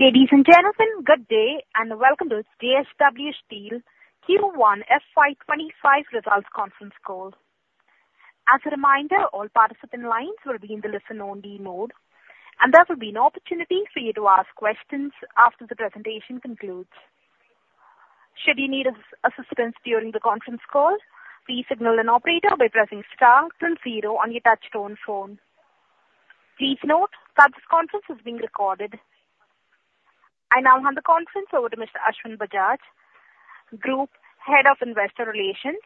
Ladies and gentlemen, good day, and welcome to JSW Steel Q1 FY 2025 results conference call. As a reminder, all participant lines will be in the listen-only mode, and there will be no opportunity for you to ask questions after the presentation concludes. Should you need assistance during the conference call, please signal an operator by pressing star to zero on your touch-tone phone. Please note that this conference is being recorded. I now hand the conference over to Mr. Ashwin Bajaj, Group Head of Investor Relations.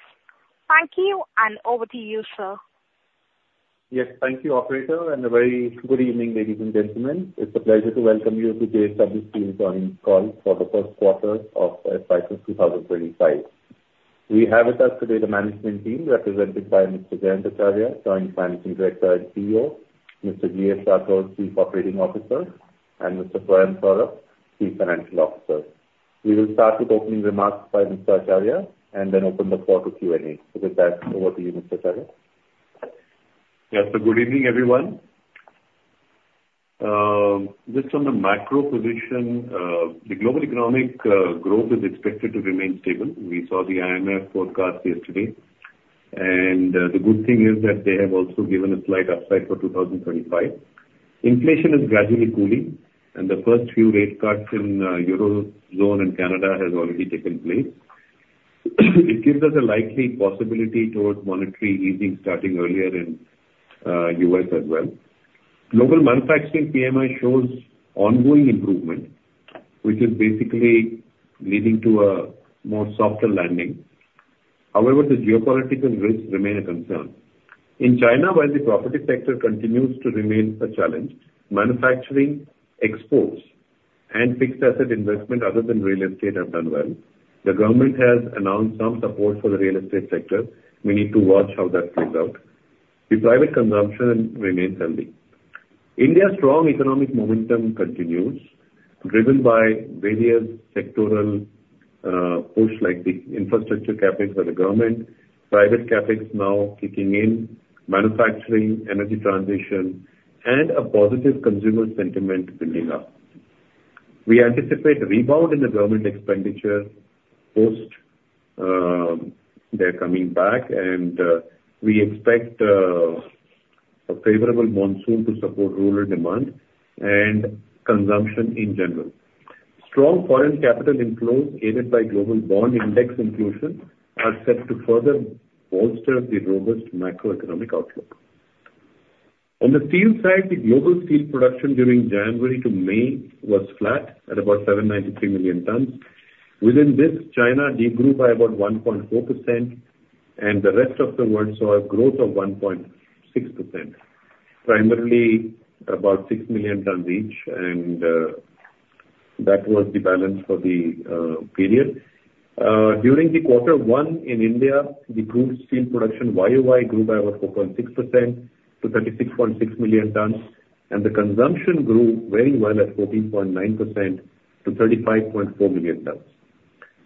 Thank you, and over to you, sir. Yes, thank you, Operator, and a very good evening, ladies and gentlemen. It's a pleasure to welcome you to JSW Steel's earnings call for the first quarter of FY 2025. We have with us today the management team represented by Mr. Jayant Acharya, Joint Managing Director and CEO; Mr. Gajraj Rathore; and Mr. Swayam Saurabh, Chief Financial Officer. We will start with opening remarks by Mr. Acharya and then open the floor to Q&A. With that, over to you, Mr. Acharya. Yes, so good evening, everyone. Just on the macro position, the global economic growth is expected to remain stable. We saw the IMF forecast yesterday, and the good thing is that they have also given a slight upside for 2025. Inflation is gradually cooling, and the first few rate cuts in the Eurozone and Canada have already taken place. It gives us a likely possibility towards monetary easing starting earlier in the U.S. as well. Global manufacturing PMI shows ongoing improvement, which is basically leading to a more softer landing. However, the geopolitical risks remain a concern. In China, while the property sector continues to remain a challenge, manufacturing exports and fixed asset investment other than real estate have done well. The government has announced some support for the real estate sector. We need to watch how that plays out. The private consumption remains healthy. India's strong economic momentum continues, driven by various sectoral pushes like the infrastructure CapEx by the government, private CapEx now kicking in, manufacturing, energy transition, and a positive consumer sentiment building up. We anticipate a rebound in the government expenditure post their coming back, and we expect a favorable monsoon to support rural demand and consumption in general. Strong foreign capital inflows aided by global bond index inclusion are set to further bolster the robust macroeconomic outlook. On the steel side, the global steel production during January to May was flat at about 793 million tons. Within this, China degrew by about 1.4%, and the rest of the world saw a growth of 1.6%, primarily about 6 million tons each, and that was the balance for the period. During the quarter one in India, the group steel production YoY grew by about 4.6% to 36.6 million tons, and the consumption grew very well at 14.9% to 35.4 million tons.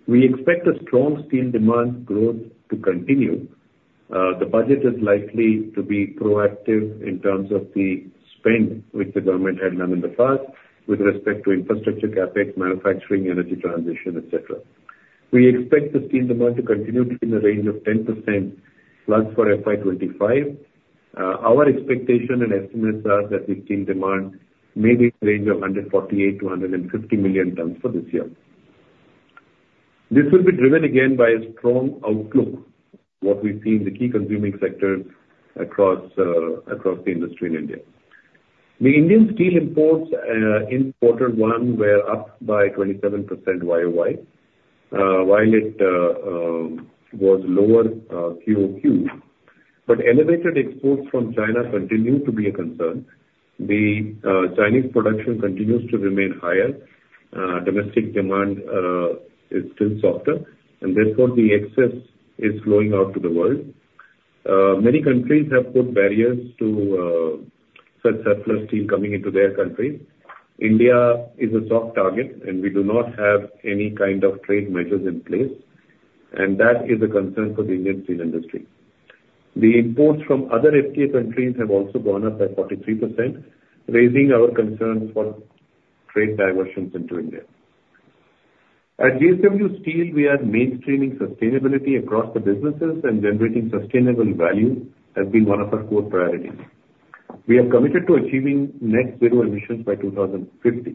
We expect a strong steel demand growth to continue. The budget is likely to be proactive in terms of the spend which the government had done in the past with respect to infrastructure CapEx, manufacturing, energy transition, etc. We expect the steel demand to continue to be in the range of 10%+ for FY 2025. Our expectation and estimates are that the steel demand may be in the range of 148 million-150 million tons for this year. This will be driven again by a strong outlook, what we see in the key consuming sectors across the industry in India. The Indian steel imports in quarter one were up by 27% YoY, while it was lower QoQ, but elevated exports from China continue to be a concern. The Chinese production continues to remain higher. Domestic demand is still softer, and therefore the excess is flowing out to the world. Many countries have put barriers to such surplus steel coming into their countries. India is a soft target, and we do not have any kind of trade measures in place, and that is a concern for the Indian steel industry. The imports from other FTA countries have also gone up by 43%, raising our concerns for trade diversions into India. At JSW Steel, we are mainstreaming sustainability across the businesses, and generating sustainable value has been one of our core priorities. We are committed to achieving net zero emissions by 2050.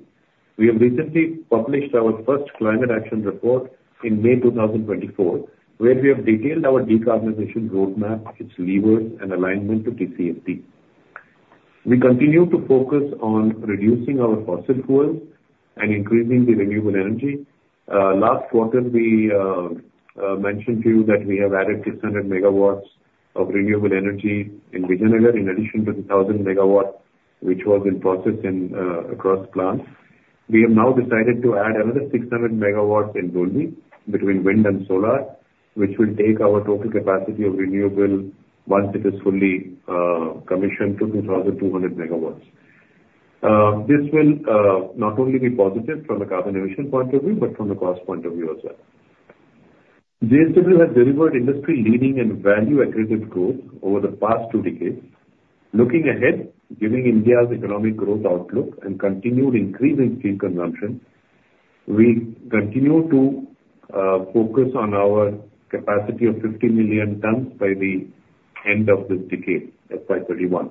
We have recently published our first climate action report in May 2024, where we have detailed our decarbonization roadmap, its levers, and alignment to TCFD. We continue to focus on reducing our fossil fuels and increasing the renewable energy. Last quarter, we mentioned to you that we have added 600 MW of renewable energy in Vijayanagar, in addition to the 1,000 MW which was in process across the plant. We have now decided to add another 600 MW in Dolvi, between wind and solar, which will take our total capacity of renewable once it is fully commissioned to 2,200 MW. This will not only be positive from a carbon emission point of view, but from a cost point of view as well. JSW has delivered industry-leading and value-aggressive growth over the past two decades. Looking ahead, given India's economic growth outlook and continued increase in steel consumption, we continue to focus on our capacity of 50 million tons by the end of this decade, FY 2031.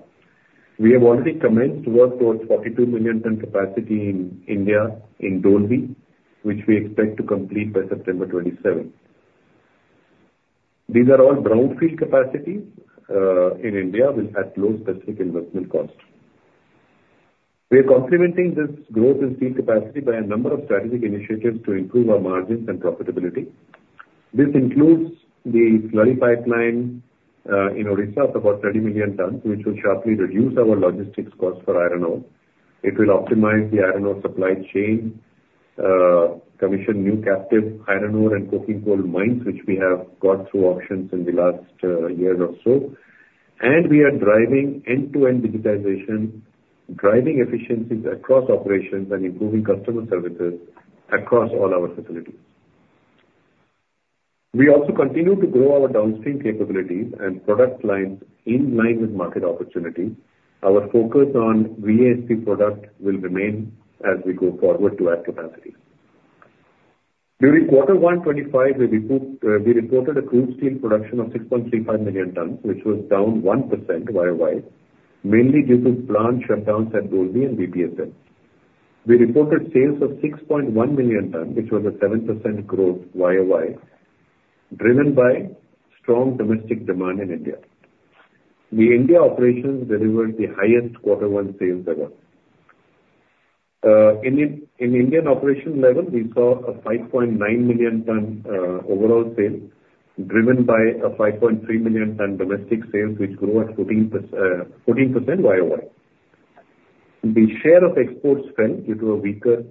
We have already commenced work towards 42 million-ton capacity in India in Dolvi, which we expect to complete by September 2027. These are all brownfield capacities in India with a low specific investment costs. We are complementing this growth in steel capacity by a number of strategic initiatives to improve our margins and profitability. This includes the slurry pipeline in Odisha of about 30 million tons, which will sharply reduce our logistics costs for iron ore. It will optimize the iron ore supply chain, commission new captive iron ore and coking coal mines, which we have gone through options in the last year or so. We are driving end-to-end digitization, driving efficiencies across operations, and improving customer services across all our facilities. We also continue to grow our downstream capabilities and product lines in line with market opportunity. Our focus on VASP product will remain as we go forward to add capacity. During quarter one 2025, we reported a crude steel production of 6.35 million tons, which was down 1% YoY, mainly due to plant shutdowns at Dolvi and BPSL. We reported sales of 6.1 million tons, which was a 7% growth YoY, driven by strong domestic demand in India. The India operations delivered the highest quarter one sales ever. In Indian operation level, we saw a 5.9 million ton overall sale, driven by a 5.3 million ton domestic sales, which grew at 14% YoY. The share of exports fell due to a weaker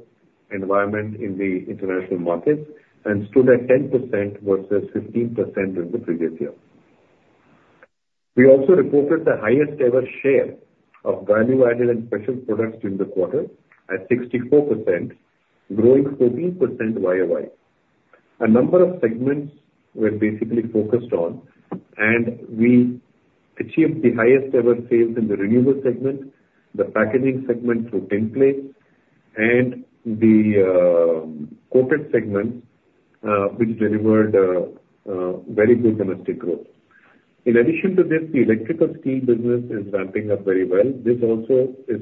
environment in the international markets and stood at 10% versus 15% in the previous year. We also reported the highest ever share of value-added and special products during the quarter at 64%, growing 14% YoY. A number of segments were basically focused on, and we achieved the highest ever sales in the renewable segment, the packaging segment through tinplates, and the corporate segments, which delivered very good domestic growth. In addition to this, the electrical steel business is ramping up very well. This also is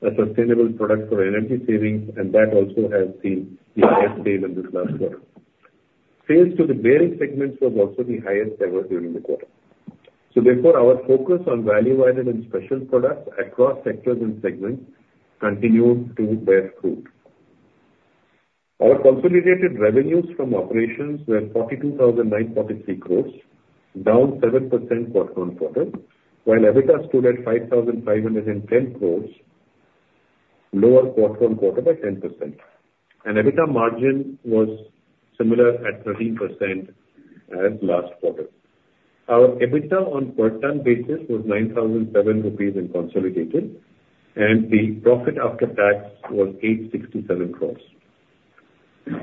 a sustainable product for energy savings, and that also has seen the highest sales in this last quarter. Sales to the bearing segments was also the highest ever during the quarter. So therefore, our focus on value-added and special products across sectors and segments continued to bear fruit. Our consolidated revenues from operations were 42,943 crores, down 7% quarter-on-quarter, while EBITDA stood at 5,510 crores, lower quarter-over-quarter by 10%. EBITDA margin was similar at 13% as last quarter. Our EBITDA on per ton basis was 9,007 rupees in consolidated, and the profit after tax was 867 crores.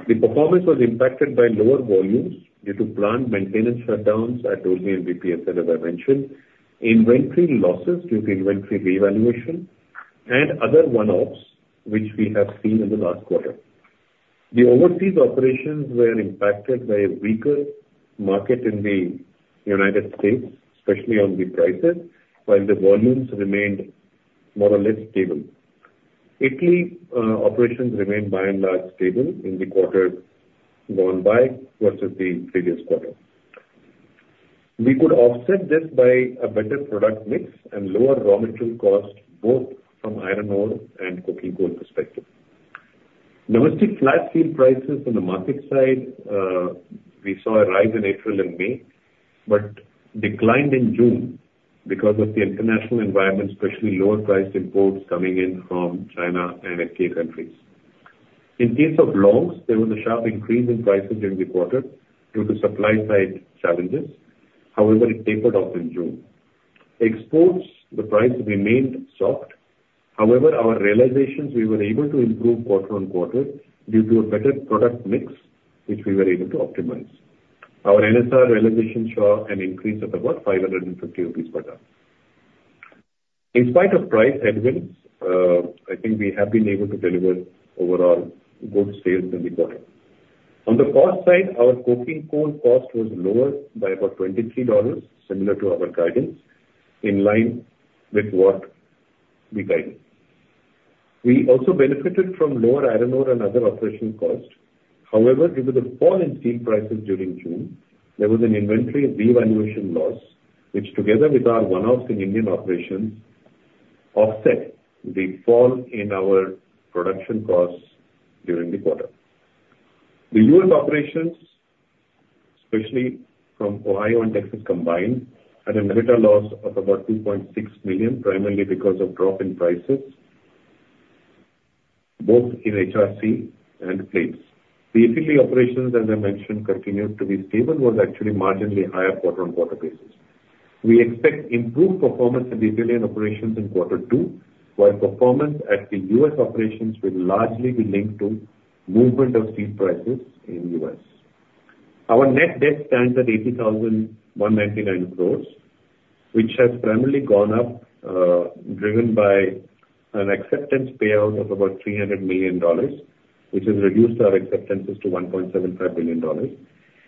The performance was impacted by lower volumes due to plant maintenance shutdowns at Dolvi and BPSL, as I mentioned, inventory losses due to inventory reevaluation, and other one-offs which we have seen in the last quarter. The overseas operations were impacted by a weaker market in the United States, especially on the prices, while the volumes remained more or less stable. Italy operations remained by and large stable in the quarter gone by versus the previous quarter. We could offset this by a better product mix and lower raw material costs both from iron ore and coking coal perspective. Domestic flat steel prices on the market side, we saw a rise in April and May, but declined in June because of the international environment, especially lower-priced imports coming in from China and FTA countries. In case of longs, there was a sharp increase in prices during the quarter due to supply-side challenges. However, it tapered off in June. Exports, the price remained soft. However, our realizations, we were able to improve quarter on quarter due to a better product mix, which we were able to optimize. Our NSR realizations saw an increase of about 550 rupees per ton. In spite of price headwinds, I think we have been able to deliver overall good sales in the quarter. On the cost side, our coking coal cost was lower by about $23, similar to our guidance, in line with what we guided. We also benefited from lower iron ore and other operational costs. However, due to the fall in steel prices during June, there was an inventory reevaluation loss, which together with our one-offs in Indian operations offset the fall in our production costs during the quarter. The U.S. operations, especially from Ohio and Texas, combined had an EBITDA loss of about $2.6 million, primarily because of drop in prices, both in HRC and plates. The Italy operations, as I mentioned, continued to be stable, was actually marginally higher quarter-on-quarter basis. We expect improved performance in the Italian operations in quarter two, while performance at the U.S. operations will largely be linked to movement of steel prices in the U.S. Our net debt stands at 80,199 crores, which has primarily gone up, driven by an acceptance payout of about $300 million, which has reduced our acceptances to $1.75 billion.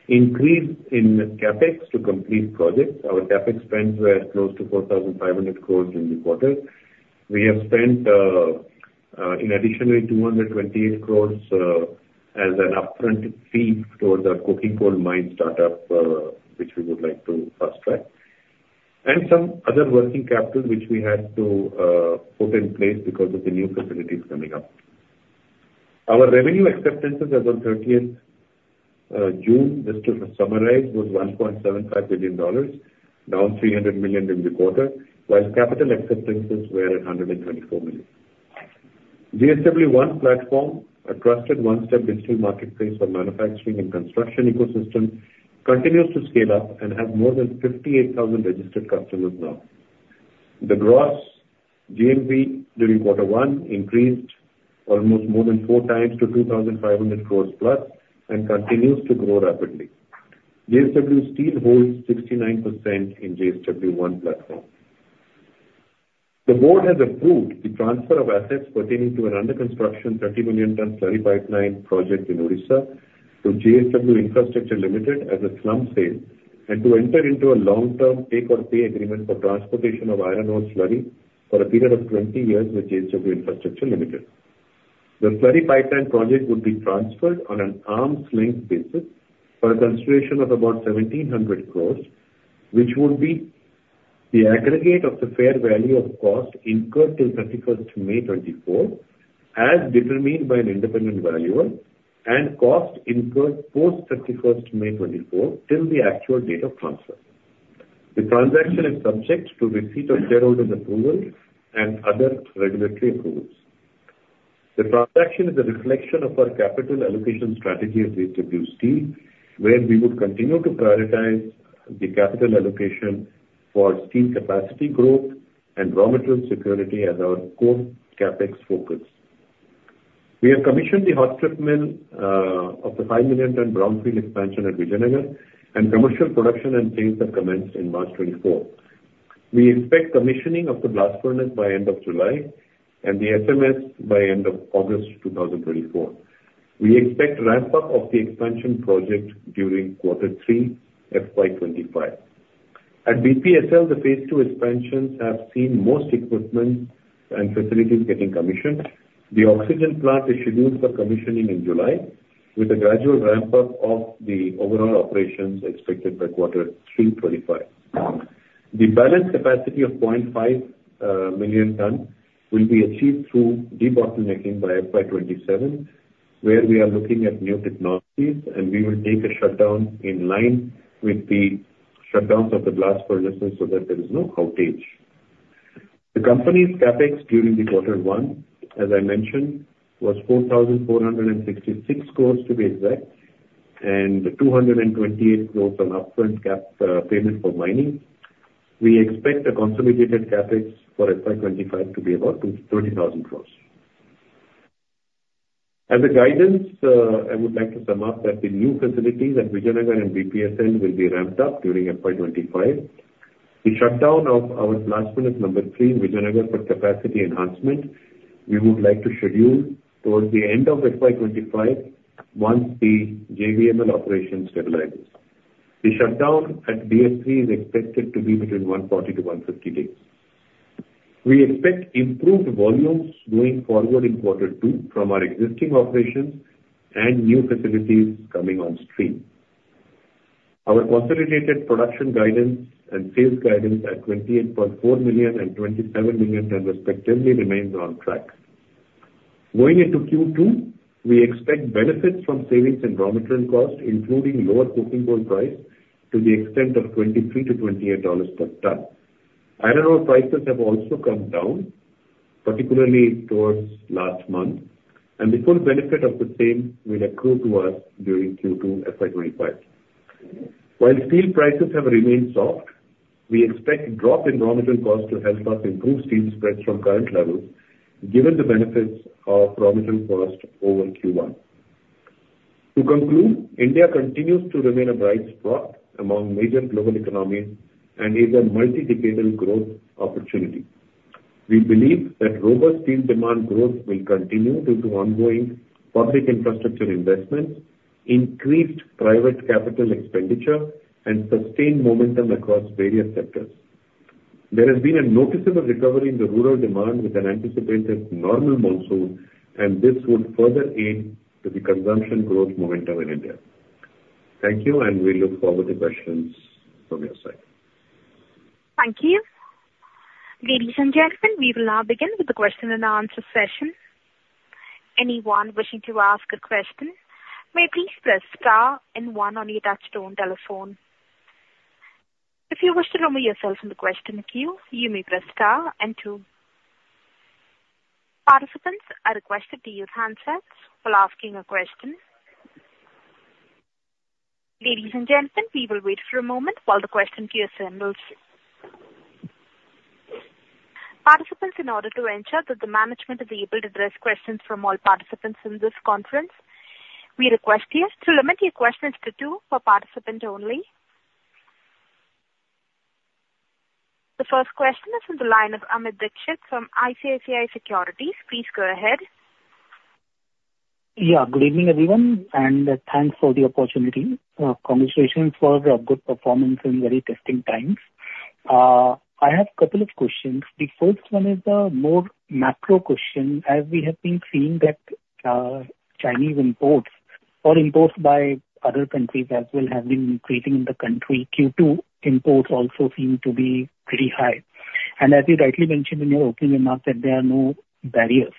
Increase in CapEx to complete projects. Our CapEx spends were close to 4,500 crores during the quarter. We have spent, in addition, 228 crores as an upfront fee towards our coking coal mine startup, which we would like to fast-track, and some other working capital which we had to put in place because of the new facilities coming up. Our revenue acceptances as of 30th June, just to summarize, was $1.75 billion, down $300 million during the quarter, while capital acceptances were at $124 million. JSW One Platform, a trusted one-step digital marketplace for manufacturing and construction ecosystem, continues to scale up and has more than 58,000 registered customers now. The gross GMV during quarter one increased almost more than four times to 2,500 crore plus and continues to grow rapidly. JSW Steel holds 69% in JSW One Platforms. The board has approved the transfer of assets pertaining to an under-construction 30 million ton slurry pipeline project in Odisha to JSW Infrastructure Limited as a slump sale and to enter into a long-term take-or-pay agreement for transportation of iron ore slurry for a period of 20 years with JSW Infrastructure Limited. The slurry pipeline project would be transferred on an arm's length basis for a consideration of about 1,700 crore, which would be the aggregate of the fair value of cost incurred till 31st May 2024, as determined by an independent valuer, and cost incurred post 31st May 2024 till the actual date of transfer. The transaction is subject to receipt of shareholders' approval and other regulatory approvals. The transaction is a reflection of our capital allocation strategy at JSW Steel, where we would continue to prioritize the capital allocation for steel capacity growth and raw material security as our core Capex focus. We have commissioned the hot strip mill of the 5 million-ton Brownfield expansion at Vijayanagar, and commercial production and sales have commenced in March 2024. We expect commissioning of the Blast Furnace by end of July and the SMS by end of August 2024. We expect ramp-up of the expansion project during quarter three, FY 2025. At BPSL, the phase two expansions have seen most equipment and facilities getting commissioned. The Oxygen Plant is scheduled for commissioning in July, with a gradual ramp-up of the overall operations expected by quarter three, 2025. The balanced capacity of 0.5 million ton will be achieved through de-bottlenecking by FY 2027, where we are looking at new technologies, and we will take a shutdown in line with the shutdowns of the blast furnace so that there is no outage. The company's CapEx during the quarter one, as I mentioned, was 4,466 crore to be exact, and 228 crore on upfront payment for mining. We expect the consolidated CapEx for FY 2025 to be about 30,000 crore. As a guidance, I would like to sum up that the new facilities at Vijayanagar and BPSL will be ramped up during FY 2025. The shutdown of our blast furnace number three in Vijayanagar for capacity enhancement, we would like to schedule towards the end of FY 2025 once the JVML operation stabilizes. The shutdown at BF3 is expected to be between 140-150 days. We expect improved volumes going forward in quarter two from our existing operations and new facilities coming on stream. Our consolidated production guidance and sales guidance at 28.4 million and 27 million tons, respectively, remains on track. Going into Q2, we expect benefits from savings in raw material cost, including lower coking coal price to the extent of $23-$28 per ton. Iron ore prices have also come down, particularly towards last month, and the full benefit of the same will accrue to us during Q2 FY 2025. While steel prices have remained soft, we expect a drop in raw material cost to help us improve steel spreads from current levels, given the benefits of raw material cost over Q1. To conclude, India continues to remain a bright spot among major global economies and is a multi-decadal growth opportunity. We believe that robust steel demand growth will continue due to ongoing public infrastructure investments, increased private capital expenditure, and sustained momentum across various sectors. There has been a noticeable recovery in the rural demand with an anticipated normal monsoon, and this would further add to the consumption growth momentum in India. Thank you, and we look forward to questions from your side. Thank you. Ladies and gentlemen, we will now begin with the question and answer session. Anyone wishing to ask a question may please press star and one on your touch-tone telephone. If you wish to remove yourself from the question queue, you may press star and two. Participants are requested to use handsets while asking a question. Ladies and gentlemen, we will wait for a moment while the question queue assembles. Participants, in order to ensure that the management is able to address questions from all participants in this conference, we request you to limit your questions to two for participants only. The first question is from the line of Amit Dixit from ICICI Securities. Please go ahead. Yeah, good evening, everyone, and thanks for the opportunity. Congratulations for a good performance in very testing times. I have a couple of questions. The first one is a more macro question. As we have been seeing that Chinese imports or imports by other countries as well have been increasing in the country, Q2 imports also seem to be pretty high. And as you rightly mentioned in your opening remarks that there are no barriers.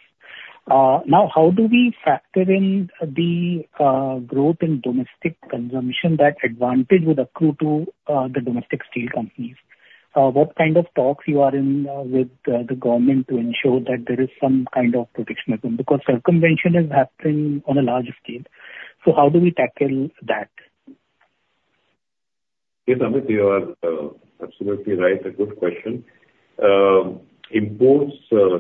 Now, how do we factor in the growth in domestic consumption that advantage would accrue to the domestic steel companies? What kind of talks you are in with the government to ensure that there is some kind of protectionism? Because circumvention is happening on a large scale. So how do we tackle that? Yes, Amit, you are absolutely right. A good question. Imports,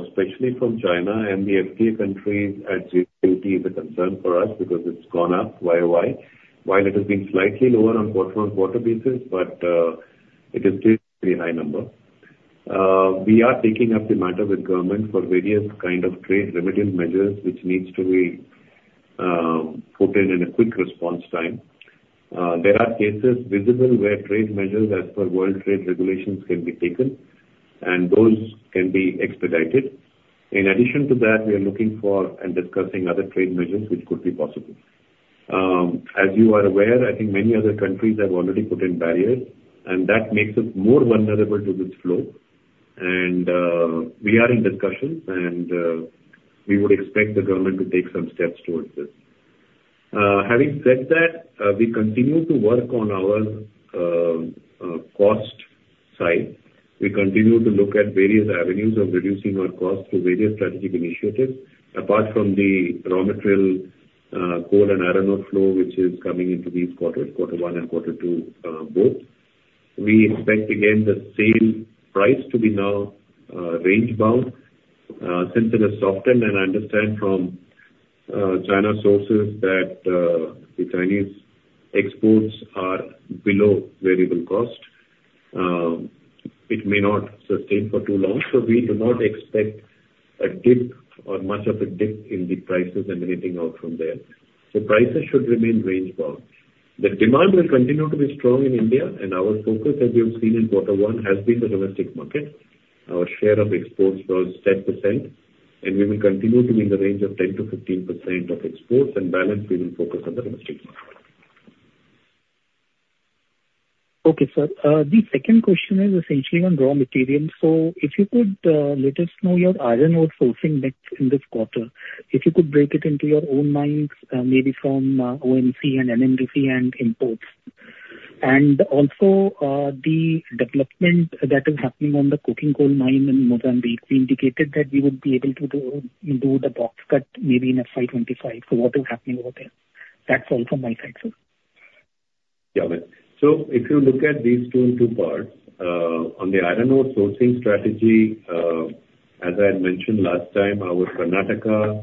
especially from China and the FTA countries, at JSW is a concern for us because it's gone up year-over-year, while it has been slightly lower on quarter-over-quarter basis, but it is still a very high number. We are taking up the matter with government for various kinds of trade-limiting measures, which needs to be put in in a quick response time. There are cases visible where trade measures as per world trade regulations can be taken, and those can be expedited. In addition to that, we are looking for and discussing other trade measures which could be possible. As you are aware, I think many other countries have already put in barriers, and that makes us more vulnerable to this flow. We are in discussion, and we would expect the government to take some steps towards this. Having said that, we continue to work on our cost side. We continue to look at various avenues of reducing our costs through various strategic initiatives. Apart from the raw material coal and iron ore flow, which is coming into these quarters, quarter one and quarter two both, we expect, again, the sale price to be now range-bound. Since it has softened, and I understand from Chinese sources that the Chinese exports are below variable cost, it may not sustain for too long. We do not expect a dip or much of a dip in the prices and anything out from there. Prices should remain range-bound. The demand will continue to be strong in India, and our focus, as you have seen in quarter one, has been the domestic market. Our share of exports was 10%, and we will continue to be in the range of 10%-15% of exports, and balance, we will focus on the domestic market. Okay, sir. The second question is essentially on raw material. So if you could let us know your iron ore sourcing mix in this quarter, if you could break it into your own mines, maybe from OMC and NMDC and imports. And also, the development that is happening on the coking coal mine in Mozambique, we indicated that we would be able to do the box cut maybe in FY 2025. So what is happening over there? That's all from my side, sir. Got it. So if you look at these two and two parts on the iron ore sourcing strategy, as I had mentioned last time, our Karnataka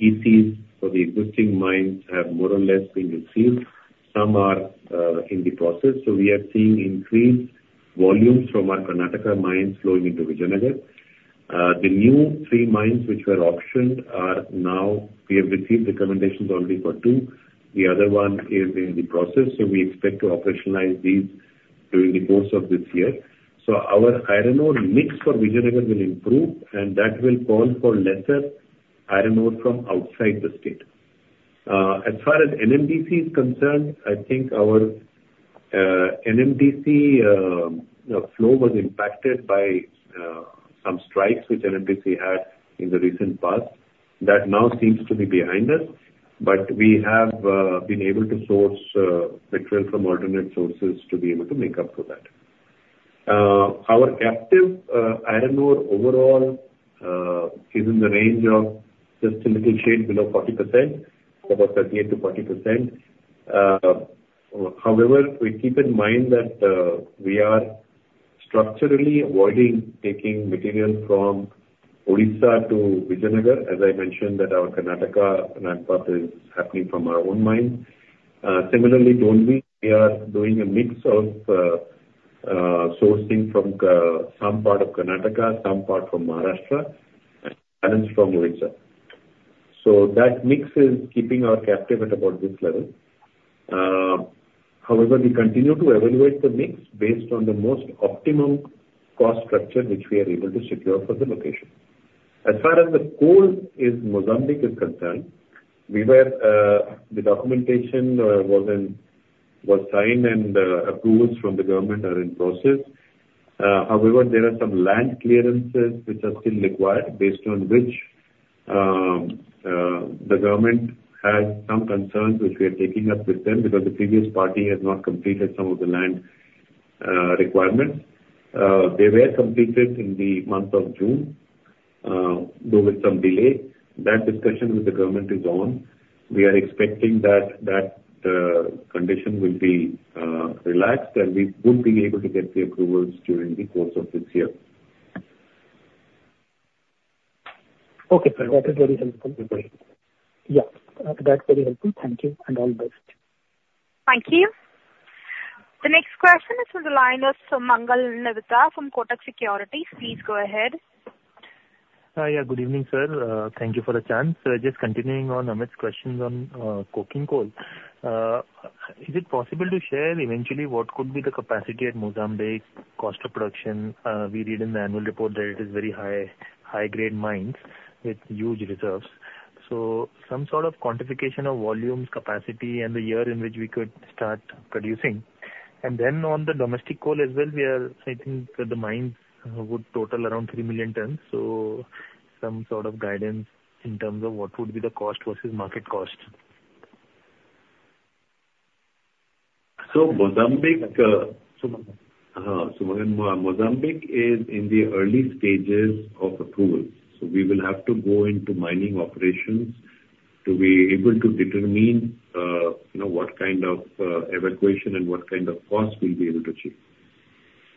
ECs for the existing mines have more or less been received. Some are in the process. So we are seeing increased volumes from our Karnataka mines flowing into Vijayanagar. The new three mines which were auctioned are now we have received recommendations already for two. The other one is in the process. So we expect to operationalize these during the course of this year. So our iron ore mix for Vijayanagar will improve, and that will call for lesser iron ore from outside the state. As far as NMDC is concerned, I think our NMDC flow was impacted by some strikes which NMDC had in the recent past. That now seems to be behind us, but we have been able to source pellets from alternate sources to be able to make up for that. Our captive iron ore overall is in the range of just a little shade below 40%, about 38%-40%. However, we keep in mind that we are structurally avoiding taking material from Odisha to Vijayanagar. As I mentioned, that our Karnataka ramp-up is happening from our own mines. Similarly, Dolvi, we are doing a mix of sourcing from some part of Karnataka, some part from Maharashtra, and balance from Odisha. So that mix is keeping our captive at about this level. However, we continue to evaluate the mix based on the most optimum cost structure which we are able to secure for the location. As far as the coal in Mozambique is concerned, the documentation was signed, and approvals from the government are in process. However, there are some land clearances which are still required, based on which the government has some concerns which we are taking up with them because the previous party has not completed some of the land requirements. They were completed in the month of June, though with some delay. That discussion with the government is on. We are expecting that that condition will be relaxed, and we would be able to get the approvals during the course of this year. Okay, sir. That is very helpful. Yeah, that's very helpful. Thank you, and all the best. Thank you. The next question is from the line of Sumangal Nevatia from Kotak Securities. Please go ahead. Yeah, good evening, sir. Thank you for the chance. Just continuing on Amit's question on coking coal. Is it possible to share eventually what could be the capacity at Mozambique's cost of production? We read in the annual report that it is very high-grade mines with huge reserves. So some sort of quantification of volumes, capacity, and the year in which we could start producing. And then on the domestic coal as well, we are thinking that the mines would total around 3 million tons. So some sort of guidance in terms of what would be the cost versus market cost. So Mozambique is in the early stages of approvals. So we will have to go into mining operations to be able to determine what kind of evacuation and what kind of cost we'll be able to achieve.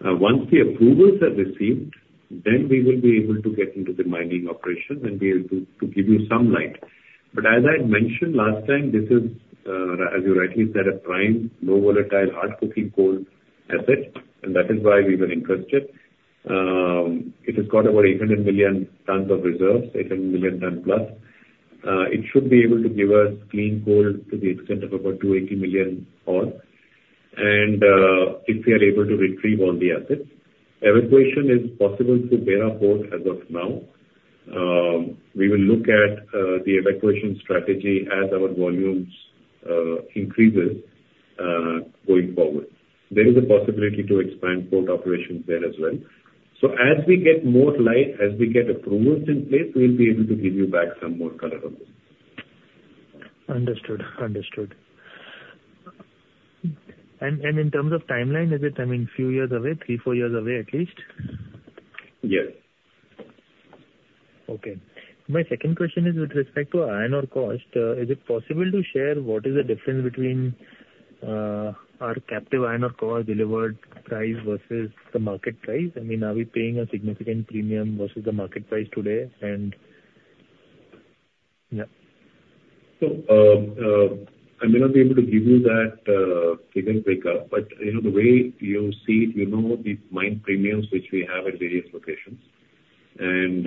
Once the approvals are received, then we will be able to get into the mining operation and be able to give you some light. But as I had mentioned last time, this is, as you rightly said, a prime, low-volatile, hard coking coal asset, and that is why we were interested. It has got about 800 million tons of reserves, 800 million ton plus. It should be able to give us clean coal to the extent of about 280 million ore. And if we are able to retrieve all the assets, evacuation is possible through Beira Port as of now. We will look at the evacuation strategy as our volumes increase going forward. There is a possibility to expand port operations there as well. So as we get more light, as we get approvals in place, we'll be able to give you back some more color on this. Understood. Understood. In terms of timeline, is it, I mean, a few years away, 3-4 years away at least? Yes. Okay. My second question is with respect to iron ore cost. Is it possible to share what is the difference between our captive iron ore cost delivered price versus the market price? I mean, are we paying a significant premium versus the market price today? And yeah. I may not be able to give you that given breakup, but the way you see it, you know the mine premiums which we have at various locations. And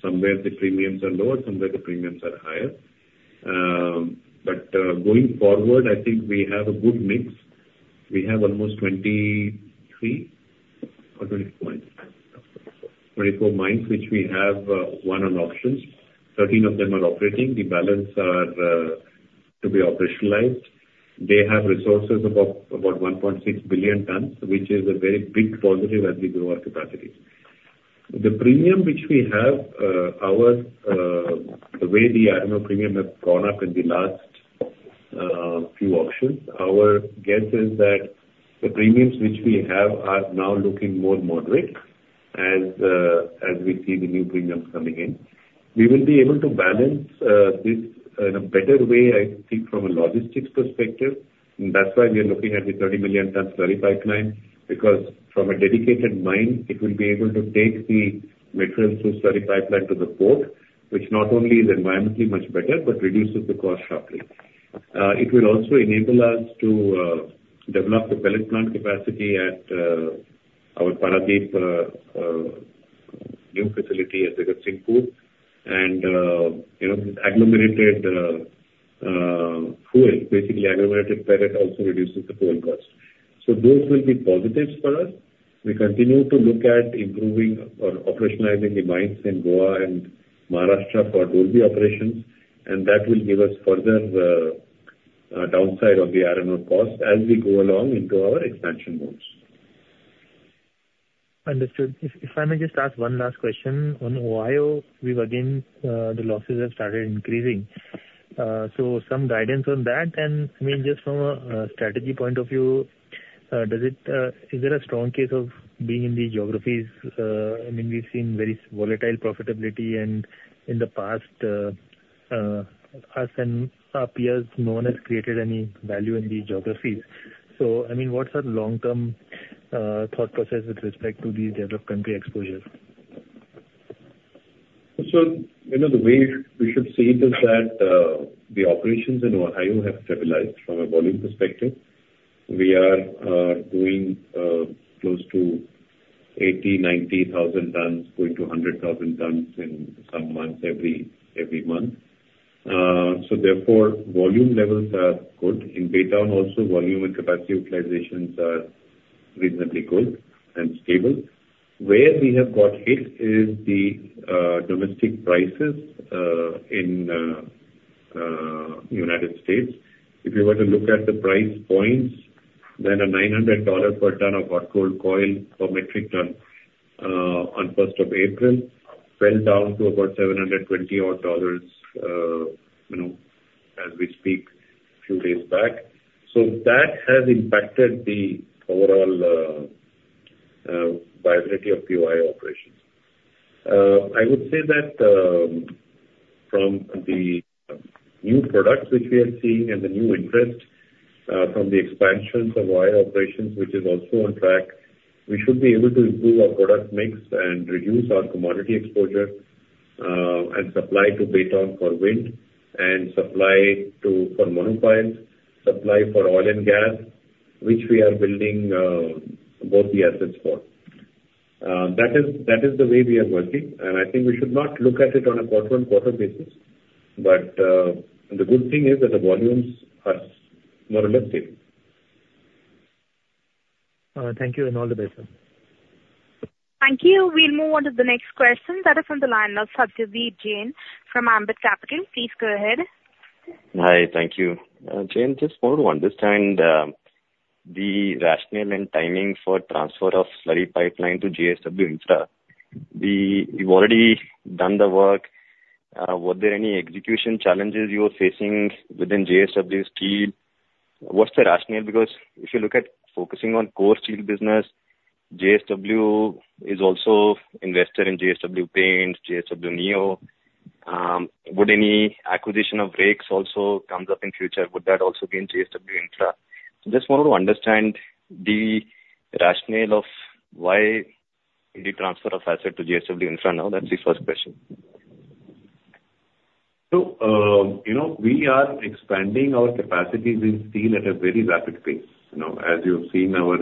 somewhere the premiums are lower, somewhere the premiums are higher. Going forward, I think we have a good mix. We have almost 23 or 24 mines which we have one on auctions. 13 of them are operating. The balance are to be operationalized. They have resources of about 1.6 billion tons, which is a very big positive as we grow our capacity. The premium which we have, the way the iron ore premium has gone up in the last few auctions, our guess is that the premiums which we have are now looking more moderate as we see the new premiums coming in. We will be able to balance this in a better way, I think, from a logistics perspective. And that's why we are looking at the 30 million tons slurry pipeline, because from a dedicated mine, it will be able to take the material through slurry pipeline to the port, which not only is environmentally much better, but reduces the cost sharply. It will also enable us to develop the pellet plant capacity at our Paradip new facility at the Jagatsinghpur. This agglomerated fuel, basically agglomerated pellet, also reduces the fuel cost. So those will be positives for us. We continue to look at improving or operationalizing the mines in Goa and Maharashtra for Dolvi operations, and that will give us further downside on the iron ore cost as we go along into our expansion goals. Understood. If I may just ask one last question. On Ohio, we've again, the losses have started increasing. So some guidance on that. And I mean, just from a strategy point of view, is there a strong case of being in these geographies? I mean, we've seen very volatile profitability, and in the past, us and our peers no one has created any value in these geographies. So I mean, what's our long-term thought process with respect to these developed country exposures? So the way we should see it is that the operations in Ohio have stabilized from a volume perspective. We are doing close to 80,000 tons-90,000 tons, going to 100,000 tons in some months every month. So therefore, volume levels are good. In Baytown also, volume and capacity utilizations are reasonably good and stable. Where we have got hit is the domestic prices in the United States. If you were to look at the price points, then a $900 per ton of hot rolled coil per metric ton on 1st of April fell down to about $720 as we speak a few days back. So that has impacted the overall viability of the Ohio operations. I would say that from the new products which we are seeing and the new interest from the expansions of Ohio operations, which is also on track, we should be able to improve our product mix and reduce our commodity exposure and supply to Baytown for wind and supply for monopiles, supply for oil and gas, which we are building both the assets for. That is the way we are working. And I think we should not look at it on a quarter-on-quarter basis. But the good thing is that the volumes are more or less stable. Thank you, and all the best, sir. Thank you. We'll move on to the next question. That is from the line of Satyadeep Jain from Ambit Capital. Please go ahead. Hi, thank you. Jain, just one more on this time. The rationale and timing for transfer of slurry pipeline to JSW Infra, we've already done the work. Were there any execution challenges you were facing within JSW Steel? What's the rationale? Because if you look at focusing on core steel business, JSW is also invested in JSW Paints, JSW Neo. Would any acquisition of rakes also come up in future? Would that also be in JSW Infra? Just wanted to understand the rationale of why the transfer of asset to JSW Infra now. That's the first question. So we are expanding our capacities in steel at a very rapid pace. As you have seen, our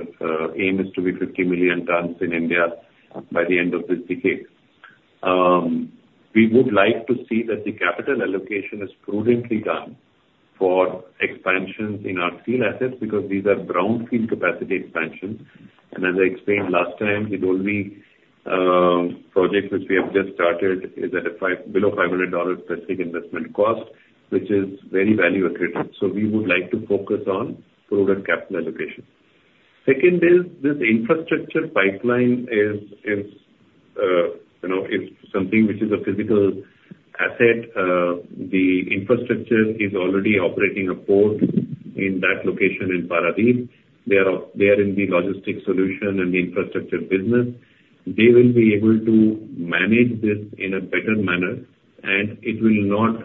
aim is to be 50 million tons in India by the end of this decade. We would like to see that the capital allocation is prudently done for expansions in our steel assets because these are brownfield capacity expansions. As I explained last time, the Dolvi project which we have just started is at below $500 per ton investment cost, which is very value-accretive. We would like to focus on product capital allocation. Second is this infrastructure pipeline is something which is a physical asset. The infrastructure is already operating a port in that location in Paradip. They are in the logistics solution and the infrastructure business. They will be able to manage this in a better manner, and it will not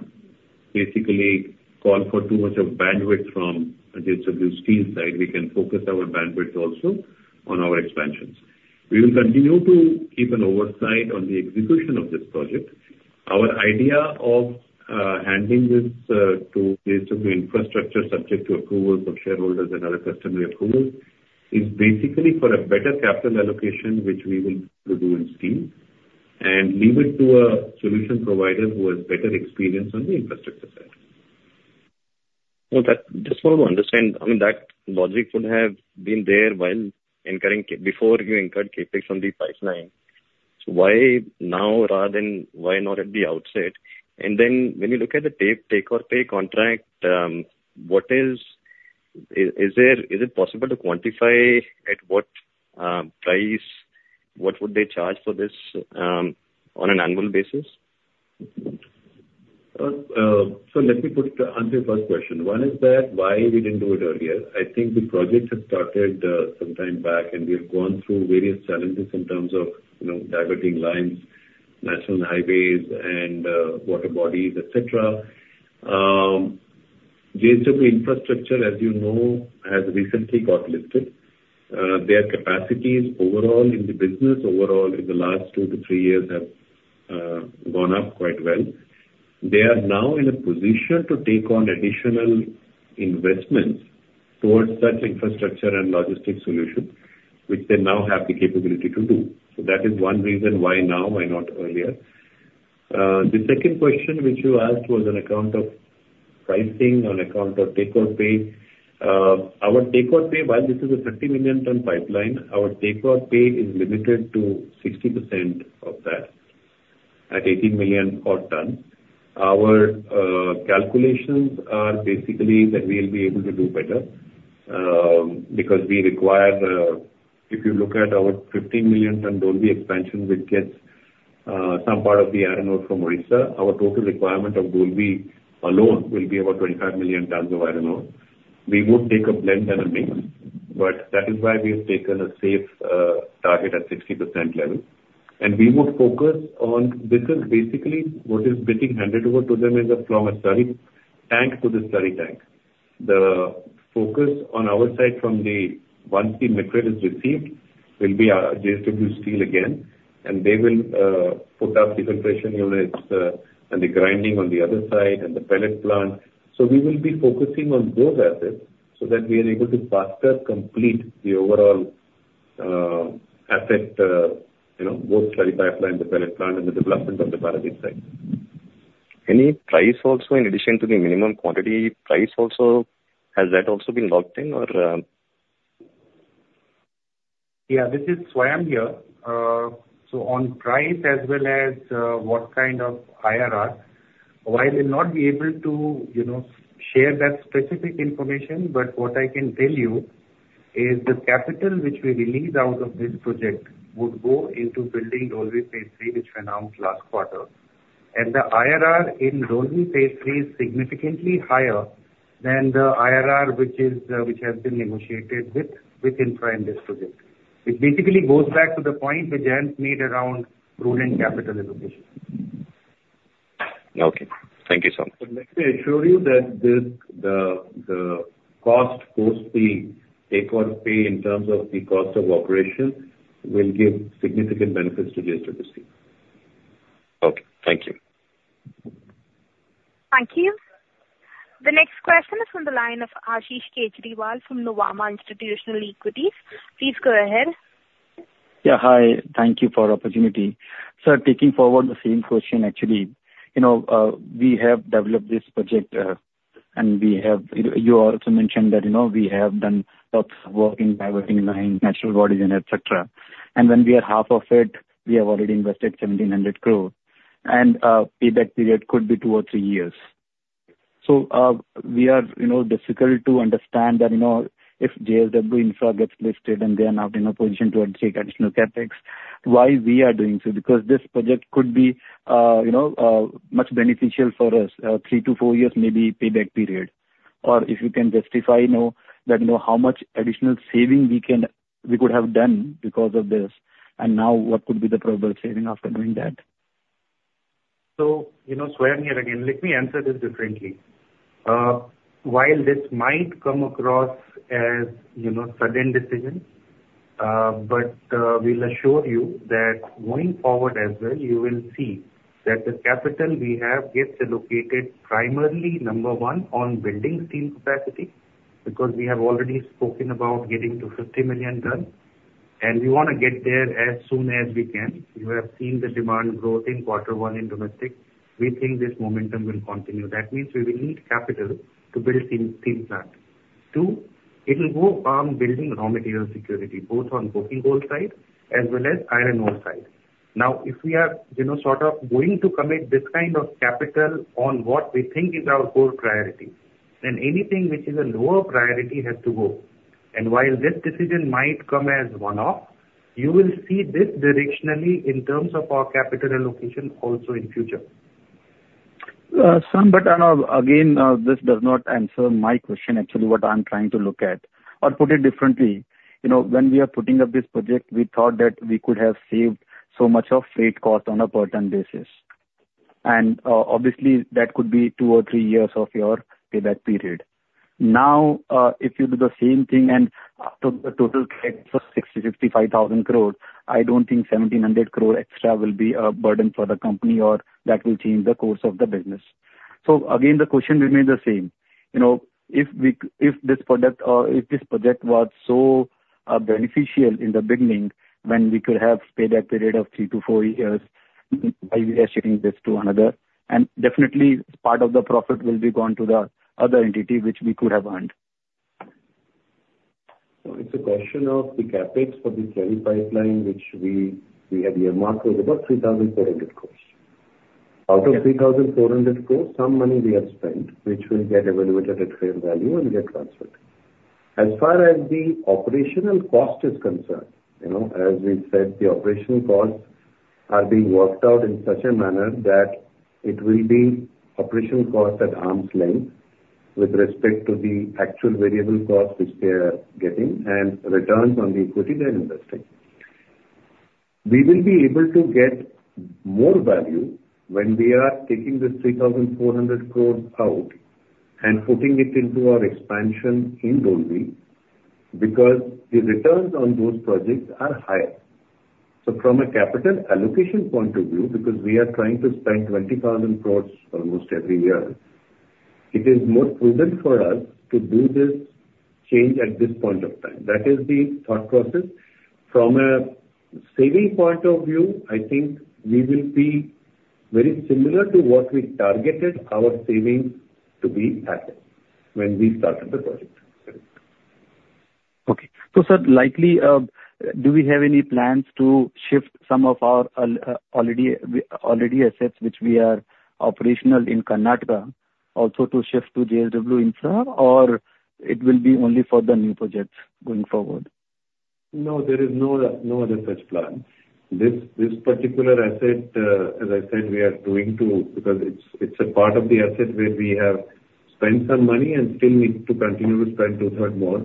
basically call for too much of bandwidth from JSW Steel side. We can focus our bandwidth also on our expansions. We will continue to keep an oversight on the execution of this project. Our idea of handling this to JSW Infrastructure subject to approvals of shareholders and other customary approvals is basically for a better capital allocation which we will do in steel and leave it to a solution provider who has better experience on the infrastructure side. Well, just wanted to understand. I mean, that logic would have been there before you incurred Capex on the pipeline. So why now rather than why not at the outset? And then when you look at the take-or-pay contract, is it possible to quantify at what price? What would they charge for this on an annual basis? So let me answer your first question. One is that why we didn't do it earlier? I think the project has started some time back, and we have gone through various challenges in terms of diverting lines, national highways, and water bodies, etc. JSW Infrastructure, as you know, has recently got listed. Their capacities overall in the business, overall in the last 2-3 years, have gone up quite well. They are now in a position to take on additional investments towards such infrastructure and logistics solutions, which they now have the capability to do. So that is one reason why now and not earlier. The second question which you asked was on account of pricing, on account of take-or-pay. Our take-or-pay, while this is a 30 million ton pipeline, our take-or-pay is limited to 60% of that at 18 million per ton. Our calculations are basically that we'll be able to do better because we require, if you look at our 15 million ton Dolvi expansion, which gets some part of the iron ore from Orissa, our total requirement of Dolvi alone will be about 25 million tons of iron ore. We would take a blend and a mix, but that is why we have taken a safe target at 60% level. We would focus on this is basically what is being handed over to them as a slurry tank to the slurry tank. The focus on our side from the once the material is received will be JSW Steel again, and they will put up the filtration units and the grinding on the other side and the pellet plant. So we will be focusing on those assets so that we are able to faster complete the overall asset, both slurry pipeline, the pellet plant, and the development of the Paradip site. Any price also, in addition to the minimum quantity price, has that also been locked in or? Yeah, this is Swayam here. So on price as well as what kind of IRR, I will not be able to share that specific information, but what I can tell you is the capital which we release out of this project would go into building Dolvi Phase 3, which we announced last quarter. And the IRR in Dolvi Phase 3 is significantly higher than the IRR which has been negotiated with Infra in this project. It basically goes back to the point which Jayant made around prudent capital allocation. Okay. Thank you so much. So let me assure you that the cost post the take-or-pay in terms of the cost of operation will give significant benefits to JSW Steel. Okay. Thank you. Thank you. The next question is from the line of Ashish Kejriwal from Nuvama Institutional Equities. Please go ahead. Yeah, hi. Thank you for the opportunity. So, taking forward the same question, actually, we have developed this project, and you also mentioned that we have done lots of work in diverting lines, natural bodies, and etc. And when we are half of it, we have already invested 1,700 crore. And payback period could be two or three years. So we are difficult to understand that if JSW Infra gets listed and they are now in a position to take additional capex, why we are doing so? Because this project could be much beneficial for us, three to four years maybe payback period. Or if you can justify that how much additional saving we could have done because of this, and now what could be the probable saving after doing that? So Swayam here, again, let me answer this differently. While this might come across as a sudden decision, but we'll assure you that going forward as well, you will see that the capital we have gets allocated primarily, number one, on building steel capacity because we have already spoken about getting to 50 million ton. And we want to get there as soon as we can. You have seen the demand growth in quarter one in domestic. We think this momentum will continue. That means we will need capital to build steel plant. Two, it will go on building raw material security, both on coking coal side as well as iron ore side. Now, if we are sort of going to commit this kind of capital on what we think is our core priority, then anything which is a lower priority has to go. And while this decision might come as one-off, you will see this directionally in terms of our capital allocation also in future. Sir, but again, this does not answer my question, actually, what I'm trying to look at. Or put it differently, when we are putting up this project, we thought that we could have saved so much of freight cost on a per ton basis. And obviously, that could be two or three years of your payback period. Now, if you do the same thing and total CapEx for 60,000 crore-65,000 crore, I don't think 1,700 crore extra will be a burden for the company or that will change the course of the business. So again, the question remains the same. If this project was so beneficial in the beginning when we could have paid a period of 3-4 years, why we are shipping this to another? And definitely, part of the profit will be gone to the other entity which we could have earned. So it's a question of the CapEx for the slurry pipeline, which we had earmarked was about 3,400 crore. Out of 3,400 crore, some money we have spent, which will get evaluated at fair value and get transferred. As far as the operational cost is concerned, as we said, the operational costs are being worked out in such a manner that it will be operational cost at arm's length with respect to the actual variable cost which they are getting and returns on the equity they are investing. We will be able to get more value when we are taking this 3,400 crore out and putting it into our expansion in Dolvi because the returns on those projects are higher. So from a capital allocation point of view, because we are trying to spend 20,000 crore almost every year, it is more prudent for us to do this change at this point of time. That is the thought process. From a saving point of view, I think we will be very similar to what we targeted our savings to be at when we started the project. Okay. So sir, likely, do we have any plans to shift some of our already assets which we are operational in Karnataka also to shift to JSW Infra, or it will be only for the new projects going forward? No, there is no other such plan. This particular asset, as I said, we are doing to because it's a part of the asset where we have spent some money and still need to continue to spend two-thirds more.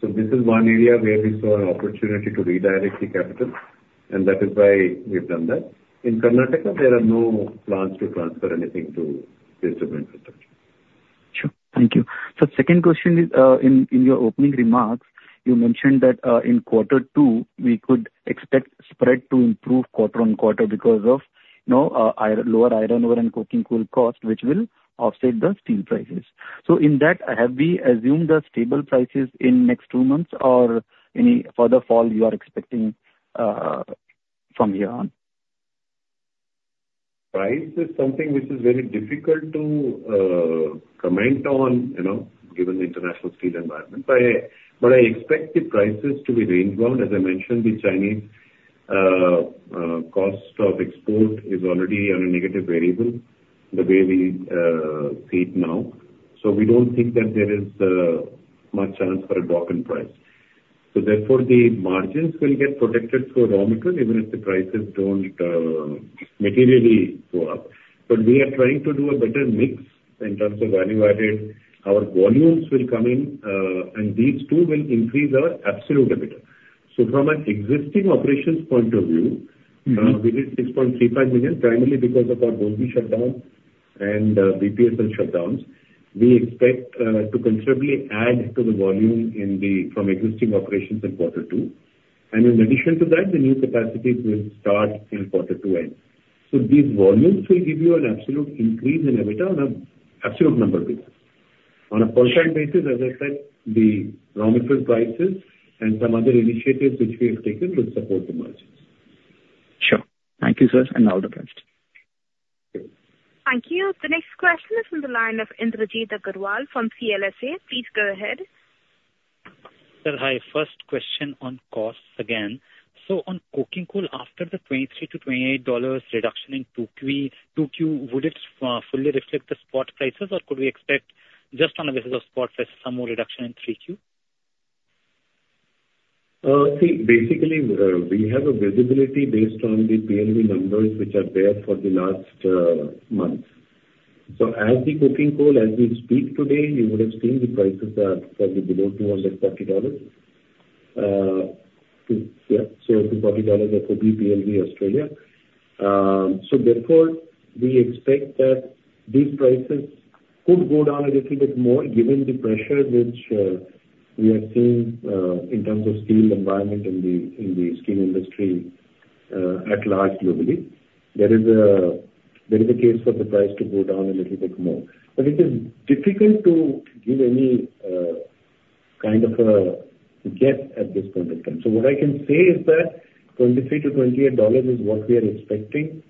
So this is one area where we saw an opportunity to redirect the capital, and that is why we've done that. In Karnataka, there are no plans to transfer anything to JSW Infrastructure. Sure. Thank you. So second question, in your opening remarks, you mentioned that in quarter two, we could expect spread to improve quarter-over-quarter because of lower iron ore and coking coal cost, which will offset the steel prices. So in that, have we assumed the stable prices in next two months or any further fall you are expecting from here on? Price is something which is very difficult to comment on given the international steel environment. But I expect the prices to be rangebound. As I mentioned, the Chinese cost of export is already on a negative variable the way we see it now. So we don't think that there is much chance for a drop in price. So therefore, the margins will get protected through raw material even if the prices don't materially go up. But we are trying to do a better mix in terms of value-added. Our volumes will come in, and these two will increase our absolute capital. So from an existing operations point of view, we did 6.35 million primarily because of our Dolvi shutdown and BPSL shutdowns. We expect to considerably add to the volume from existing operations in quarter two. And in addition to that, the new capacities will start in quarter two end. So these volumes will give you an absolute increase in capital on an absolute number basis. On a per ton basis, as I said, the raw material prices and some other initiatives which we have taken will support the margins. Sure. Thank you, sir, and all the best. Thank you. The next question is from the line of Indrajit Agarwal from CLSA. Please go ahead. Sir, hi. First question on costs again. So on coking coal, after the $23-$28 reduction in Q2, would it fully reflect the spot prices, or could we expect just on a basis of spot prices, some more reduction in Q3? See, basically, we have a visibility based on the PLV numbers which are there for the last month. So as the coking coal, as we speak today, you would have seen the prices are probably below $240. So $240 at Aus PLV Australia. So therefore, we expect that these prices could go down a little bit more given the pressure which we are seeing in terms of steel environment in the steel industry at large globally. There is a case for the price to go down a little bit more. But it is difficult to give any kind of a guess at this point in time. So what I can say is that $23-$28 is what we are expecting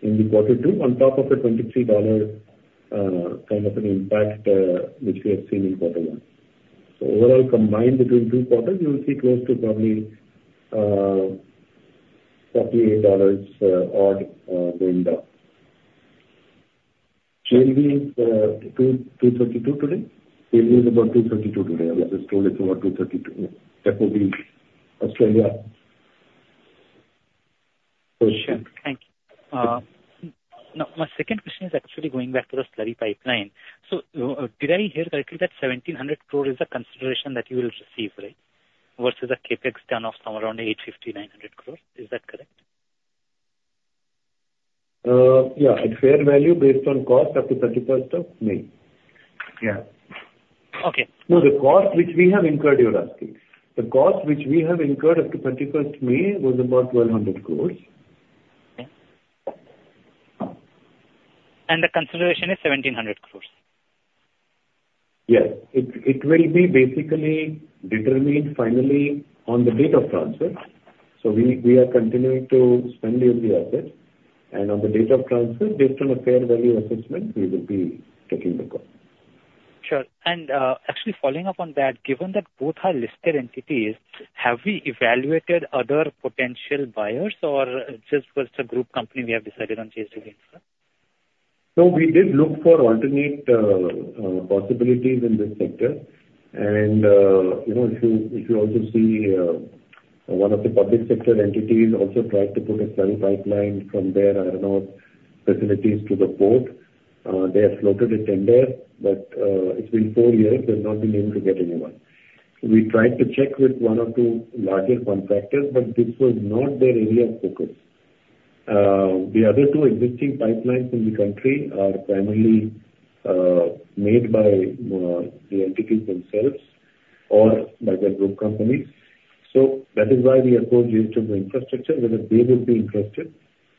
in the quarter two on top of a $23 kind of an impact which we have seen in quarter one. So overall, combined between two quarters, you will see close to probably $48 odd going down. JLV is $232 today. JLV is about 232 today. I was just told it's about $232 at Aus PLV Australia. Sure. Thank you. Now, my second question is actually going back to the slurry pipeline. So did I hear correctly that 1,700 crore is a consideration that you will receive, right, versus a CapEx turn-off somewhere around 850 crore-900 crore? Is that correct? Yeah. At fair value based on cost up to 31st of May. Yeah. Okay. No, the cost which we have incurred, you're asking. The cost which we have incurred up to 31st May was about 1,200 crore. And the consideration is 1,700 crore? Yes. It will be basically determined finally on the date of transfer. So we are continuing to spend the asset. And on the date of transfer, based on a fair value assessment, we will be taking the cost. Sure. Actually, following up on that, given that both are listed entities, have we evaluated other potential buyers or just was it a group company we have decided on JSW Infrastructure? So we did look for alternate possibilities in this sector. If you also see one of the public sector entities also tried to put a slurry pipeline from their iron ore facilities to the port, they have floated a tender, but it's been four years, they've not been able to get anyone. We tried to check with one or two larger contractors, but this was not their area of focus. The other two existing pipelines in the country are primarily made by the entities themselves or by their group companies. So that is why we approached JSW Infrastructure whether they would be interested.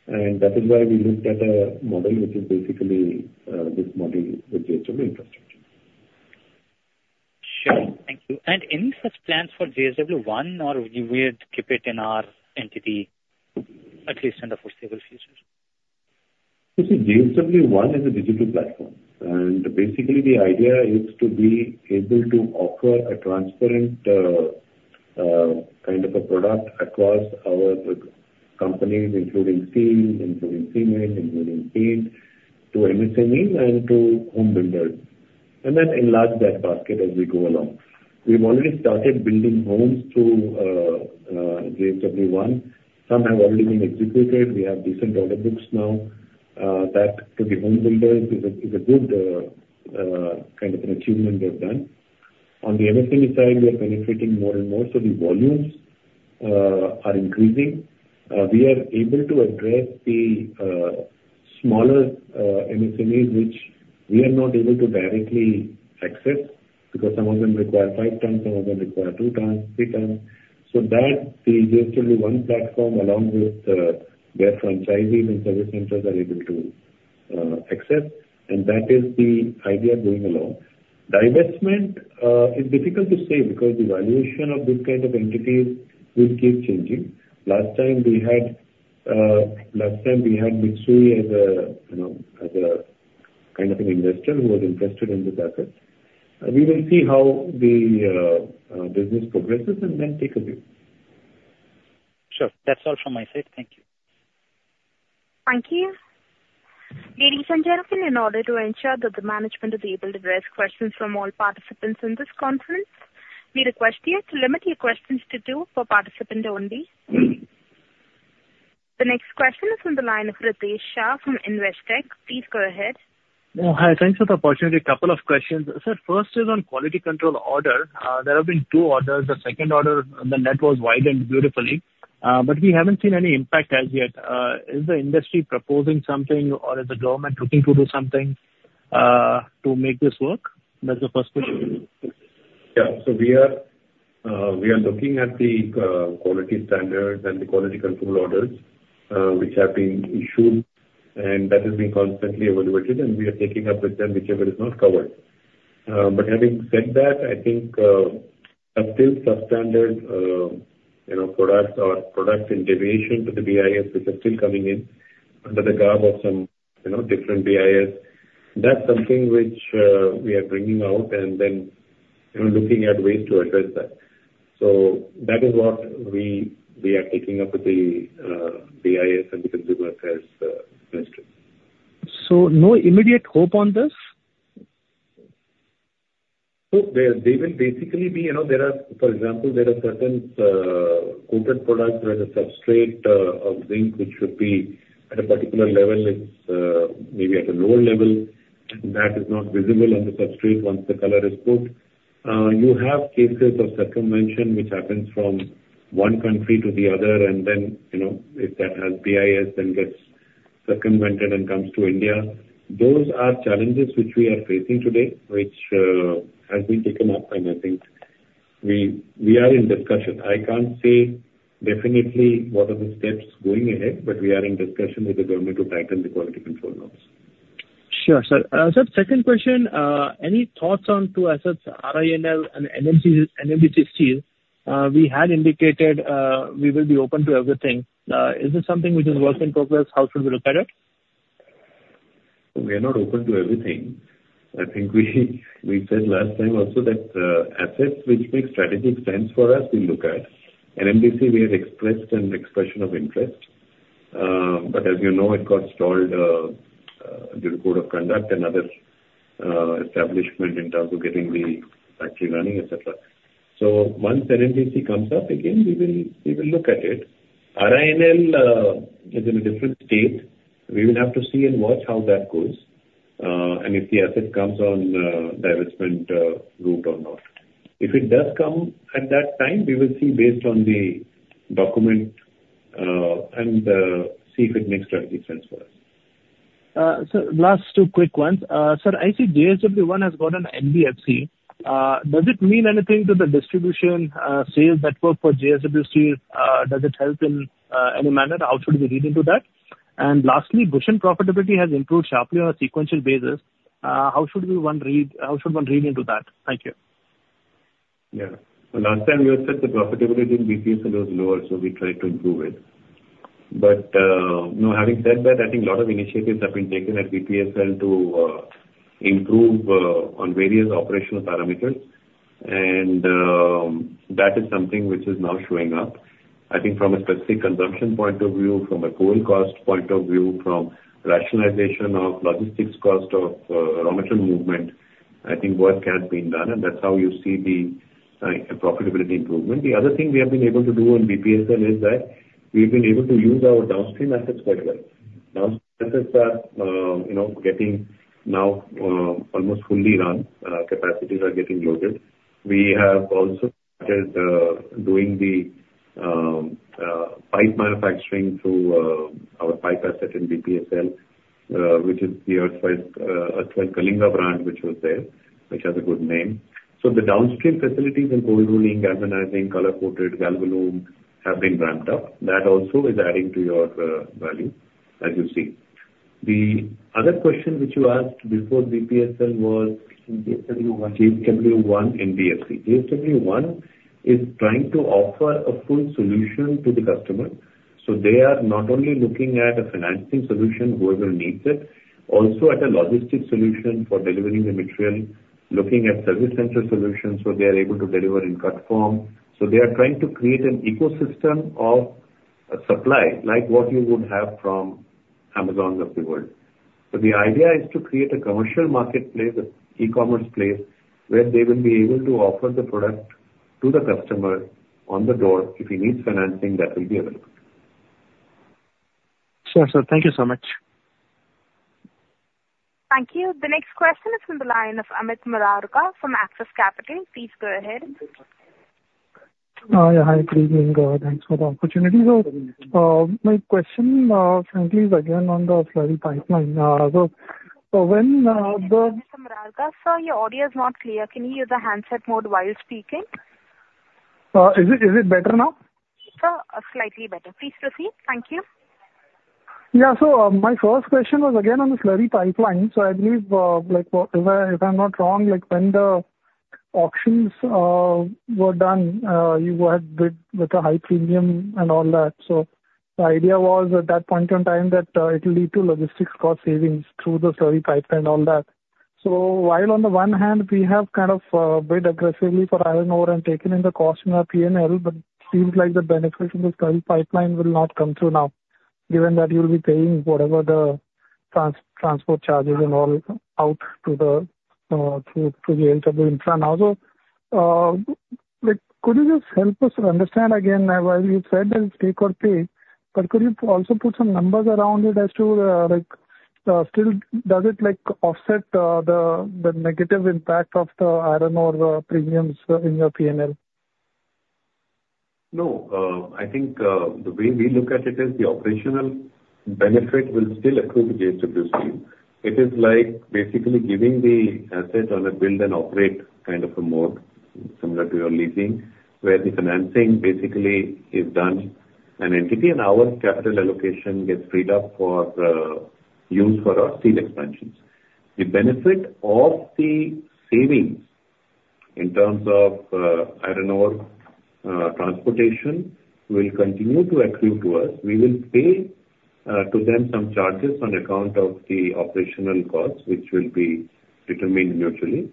And that is why we looked at a model which is basically this model with JSW Infrastructure. Sure. Thank you. And any such plans for JSW One or will you keep it in our entity at least in the foreseeable future? You see, JSW One is a digital platform. And basically, the idea is to be able to offer a transparent kind of a product across our companies, including steel, including cement, including paint, to MSMEs and to home builders. And then enlarge that basket as we go along. We've already started building homes through JSW One. Some have already been executed. We have decent order books now. That to the home builders is a good kind of an achievement we have done. On the MSME side, we are benefiting more and more. So the volumes are increasing. We are able to address the smaller MSMEs which we are not able to directly access because some of them require five tons, some of them require two tons, three tons. So that the JSW One platform along with their franchisees and service centers are able to access. And that is the idea going along. Divestment is difficult to say because the valuation of this kind of entities will keep changing. Last time we had Mitsui as a kind of an investor who was interested in this asset. We will see how the business progresses and then take a view. Sure. That's all from my side. Thank you. Thank you. Ladies and gentlemen, in order to ensure that the management is able to address questions from all participants in this conference, we request you to limit your questions to two for participant only. The next question is from the line of Ritesh Shah from Investec. Please go ahead. Hi. Thanks for the opportunity. A couple of questions. Sir, first is on quality control order. There have been two orders. The second order, the net was widened beautifully, but we haven't seen any impact as yet. Is the industry proposing something or is the government looking to do something to make this work? That's the first question. Yeah. So we are looking at the quality standards and the quality control orders which have been issued, and that has been constantly evaluated, and we are taking up with them whichever is not covered. But having said that, I think still substandard products or products in deviation to the BIS which are still coming in under the garb of some different BIS. That's something which we are bringing out and then looking at ways to address that. So that is what we are taking up with the BIS and the consumer affairs ministry. So no immediate hope on this? So they will basically, there are, for example, there are certain coated products where the substrate of zinc, which should be at a particular level, it's maybe at a lower level, and that is not visible on the substrate once the color is put. You have cases of circumvention which happens from one country to the other, and then if that has BIS, then gets circumvented and comes to India. Those are challenges which we are facing today, which has been taken up, and I think we are in discussion. I can't say definitely what are the steps going ahead, but we are in discussion with the government to tighten the quality control laws. Sure. Sir, second question, any thoughts on two assets, RINL and NMDC Steel? We had indicated we will be open to everything. Is this something which is work in progress? How should we look at it? We are not open to everything. I think we said last time also that assets which make strategic sense for us, we look at. NMDC, we have expressed an expression of interest, but as you know, it got stalled due to code of conduct and other establishment in terms of getting the factory running, etc. So once NMDC comes up again, we will look at it. RINL is in a different state. We will have to see and watch how that goes and if the asset comes on divestment route or not. If it does come at that time, we will see based on the document and see if it makes strategic sense for us. Sir, last two quick ones. Sir, I see JSW One has got an NBFC. Does it mean anything to the distribution sales network for JSW Steel? Does it help in any manner? How should we read into that? And lastly, BPSL profitability has improved sharply on a sequential basis. How should we read how should one read into that? Thank you. Yeah. Last time, we had said the profitability in BPSL was lower, so we tried to improve it. But having said that, I think a lot of initiatives have been taken at BPSL to improve on various operational parameters, and that is something which is now showing up. I think from a specific consumption point of view, from a coil cost point of view, from rationalization of logistics cost of raw material movement, I think work has been done, and that's how you see the profitability improvement. The other thing we have been able to do on BPSL is that we've been able to use our downstream assets quite well. Downstream assets are getting now almost fully run. Capacities are getting loaded. We have also started doing the pipe manufacturing through our pipe asset in BPSL, which is the erstwhile Kalinga brand, which was there, which has a good name. So the downstream facilities in coil rolling, galvanizing, color coated, Galvalume have been ramped up. That also is adding to your value, as you see. The other question which you asked before BPSL was JSW One and NBFC. JSW One is trying to offer a full solution to the customer. So they are not only looking at a financing solution whoever needs it, also at a logistics solution for delivering the material, looking at service center solutions where they are able to deliver in cut form. So they are trying to create an ecosystem of supply like what you would have from Amazons of the world. So the idea is to create a commercial marketplace, an e-commerce place where they will be able to offer the product to the customer on the door. If he needs financing, that will be available. Sure, sir. Thank you so much. Thank you. The next question is from the line of Amit Murarka from Axis Capital. Please go ahead. Hi. Good evening. Thanks for the opportunity. My question, frankly, is again on the slurry pipeline. So when the... Thank you, Mr. Murarka. Sir, your audio is not clear. Can you use a handset mode while speaking? Is it better now? Sir, slightly better. Please proceed. Thank you. Yeah. So my first question was again on the slurry pipeline. So I believe if I'm not wrong, when the auctions were done, you had bid with a high premium and all that. So the idea was at that point in time that it will lead to logistics cost savings through the slurry pipeline and all that. So while on the one hand, we have kind of bid aggressively for iron ore and taken in the cost in our P&L, but it seems like the benefit from the slurry pipeline will not come through now, given that you'll be paying whatever the transport charges and all out to JSW Infra now. So could you just help us to understand again why you said it's take or pay? But could you also put some numbers around it as to still does it offset the negative impact of the iron ore premiums in your P&L? No. I think the way we look at it is the operational benefit will still accrue to JSW Steel. It is like basically giving the asset on a build and operate kind of a mode similar to your leasing where the financing basically is done by an entity and our capital allocation gets freed up for use for our steel expansions. The benefit of the savings in terms of iron ore transportation will continue to accrue to us. We will pay to them some charges on account of the operational costs, which will be determined mutually,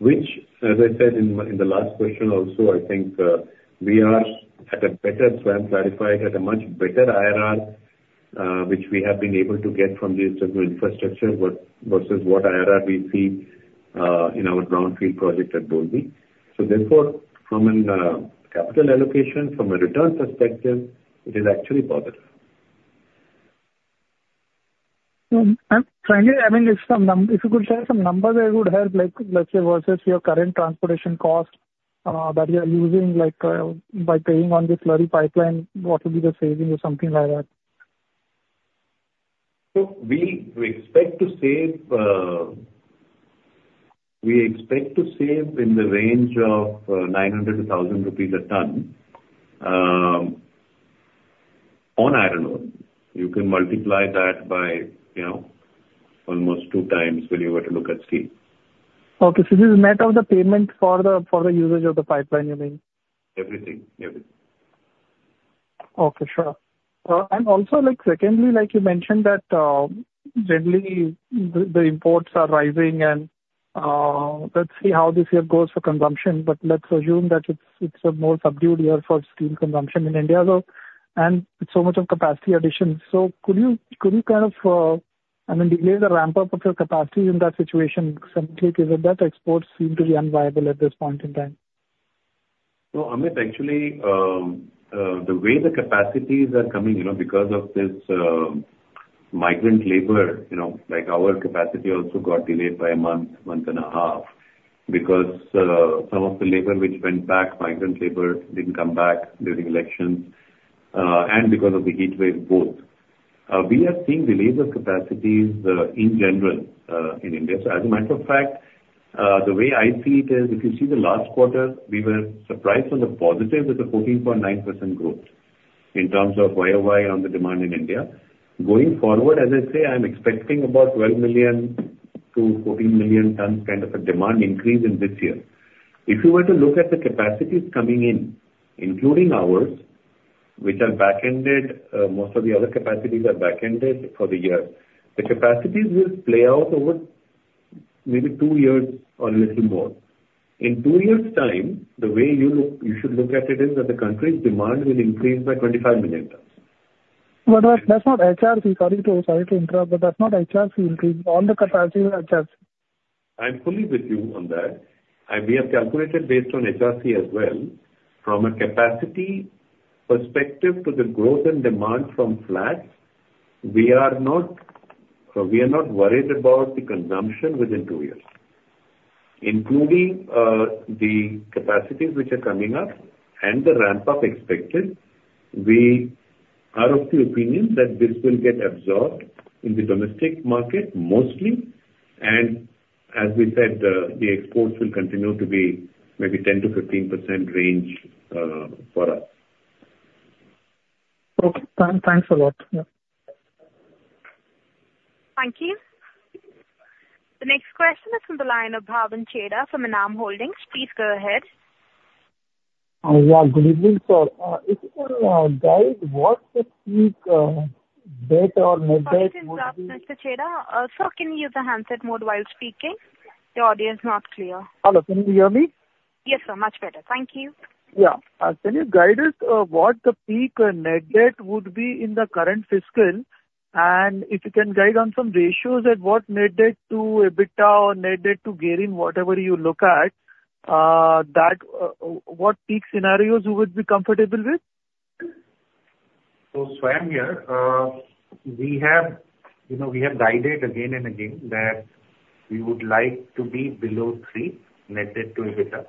which, as I said in the last question also, I think we are at a better plan clarified, at a much better IRR, which we have been able to get from JSW Infrastructure versus what IRR we see in our greenfield project at Dolvi. So therefore, from a capital allocation, from a return perspective, it is actually positive. And frankly, I mean, if you could share some numbers, it would help. Let's say versus your current transportation cost that you're using by paying on the slurry pipeline, what would be the savings or something like that? So we expect to save in the range of 900-1,000 rupees a ton on iron ore. You can multiply that by almost 2x when you were to look at steel. Okay. So this is net of the payment for the usage of the pipeline, you mean? Everything. Everything. Okay. Sure. And also, secondly, like you mentioned that generally the imports are rising, and let's see how this year goes for consumption, but let's assume that it's a more subdued year for steel consumption in India. And it's so much of capacity addition. So could you kind of, I mean, delay the ramp-up of your capacity in that situation simply given that exports seem to be unviable at this point in time? Well, Amit, actually, the way the capacities are coming because of this migrant labor, our capacity also got delayed by a month, month and a half because some of the labor which went back, migrant labor didn't come back during elections and because of the heat wave, both. We are seeing the labor capacities in general in India. So as a matter of fact, the way I see it is, if you see the last quarter, we were surprised on the positive with a 14.9% growth in terms of YoY on the demand in India. Going forward, as I say, I'm expecting about 12 million-14 million tons kind of a demand increase in this year. If you were to look at the capacities coming in, including ours, which are back-ended, most of the other capacities are back-ended for the year, the capacities will play out over maybe two years or a little more. In two years' time, the way you should look at it is that the country's demand will increase by 25 million tons. That's not HRC. Sorry to interrupt, but that's not HRC increase. All the capacity is HRC. I'm fully with you on that. We have calculated based on HRC as well. From a capacity perspective to the growth and demand from flats, we are not worried about the consumption within two years. Including the capacities which are coming up and the ramp-up expected, we are of the opinion that this will get absorbed in the domestic market mostly. As we said, the exports will continue to be maybe 10%-15% range for us. Okay. Thanks a lot. Thank you. The next question is from the line of Bhavin Chheda from Enam Holdings. Please go ahead. Yeah. Good evening, sir. If you can guide what the peak debt or net debt is. Good afternoon, sir. Mr. Chheda. Sir, can you use a handset mode while speaking? The audio is not clear. Hello. Can you hear me? Yes, sir. Much better. Thank you. Yeah. Can you guide us what the peak net debt would be in the current fiscal? And if you can guide on some ratios at what net debt to EBITDA or net debt to gearing, whatever you look at, what peak scenarios you would be comfortable with? So Swayam here. We have guided again and again that we would like to be below three net debt to EBITDA.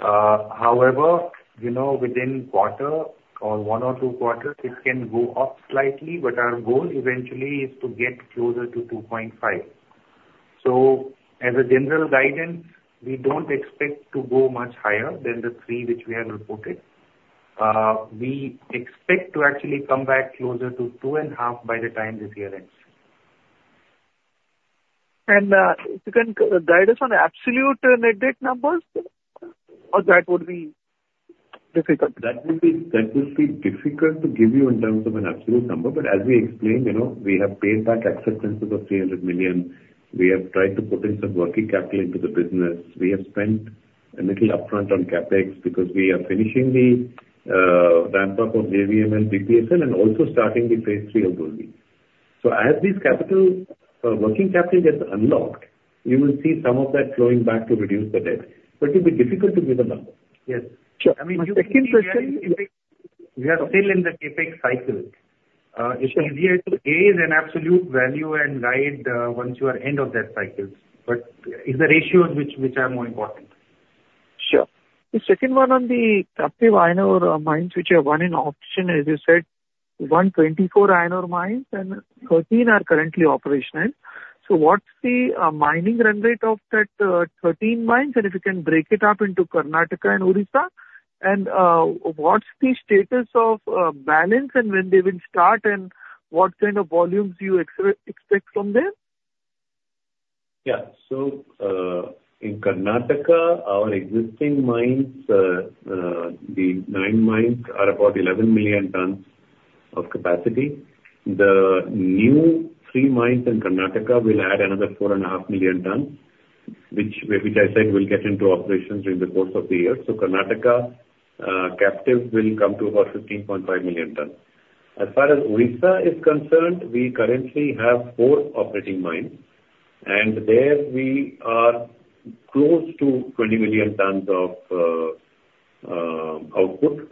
However, within quarter or one or two quarters, it can go up slightly, but our goal eventually is to get closer to 2.5. So as a general guidance, we don't expect to go much higher than the three which we have reported. We expect to actually come back closer to 2.5 by the time this year ends. And if you can guide us on the absolute net debt numbers, or that would be difficult? That would be difficult to give you in terms of an absolute number, but as we explained, we have paid back acceptances of 300 million. We have tried to put in some working capital into the business. We have spent a little upfront on CapEx because we are finishing the ramp-up of JVML, BPSL, and also starting the phase III of Dolvi. So as this working capital gets unlocked, you will see some of that flowing back to reduce the debt. But it will be difficult to give a number. Yes. Sure. I mean, you can give me. The second question, we are still in the CapEx cycle. It's easier to give an absolute value and guide once you are at the end of that cycle. But it's the ratios which are more important. Sure. The second one on the captive iron ore mines which are won in auction, as you said, 124 iron ore mines and 13 are currently operational. So what's the mining run rate of those 13 mines? And if you can break it up into Karnataka and Orissa, and what's the status of balance and when they will start, and what kind of volumes you expect from there? Yeah. So in Karnataka, our existing mines, the 9 mines are about 11 million tons of capacity. The new 3 mines in Karnataka will add another 4.5 million tons, which I said will get into operations during the course of the year. So Karnataka captive will come to about 15.5 million tons. As far as Orissa is concerned, we currently have 4 operating mines, and there we are close to 20 million tons of output.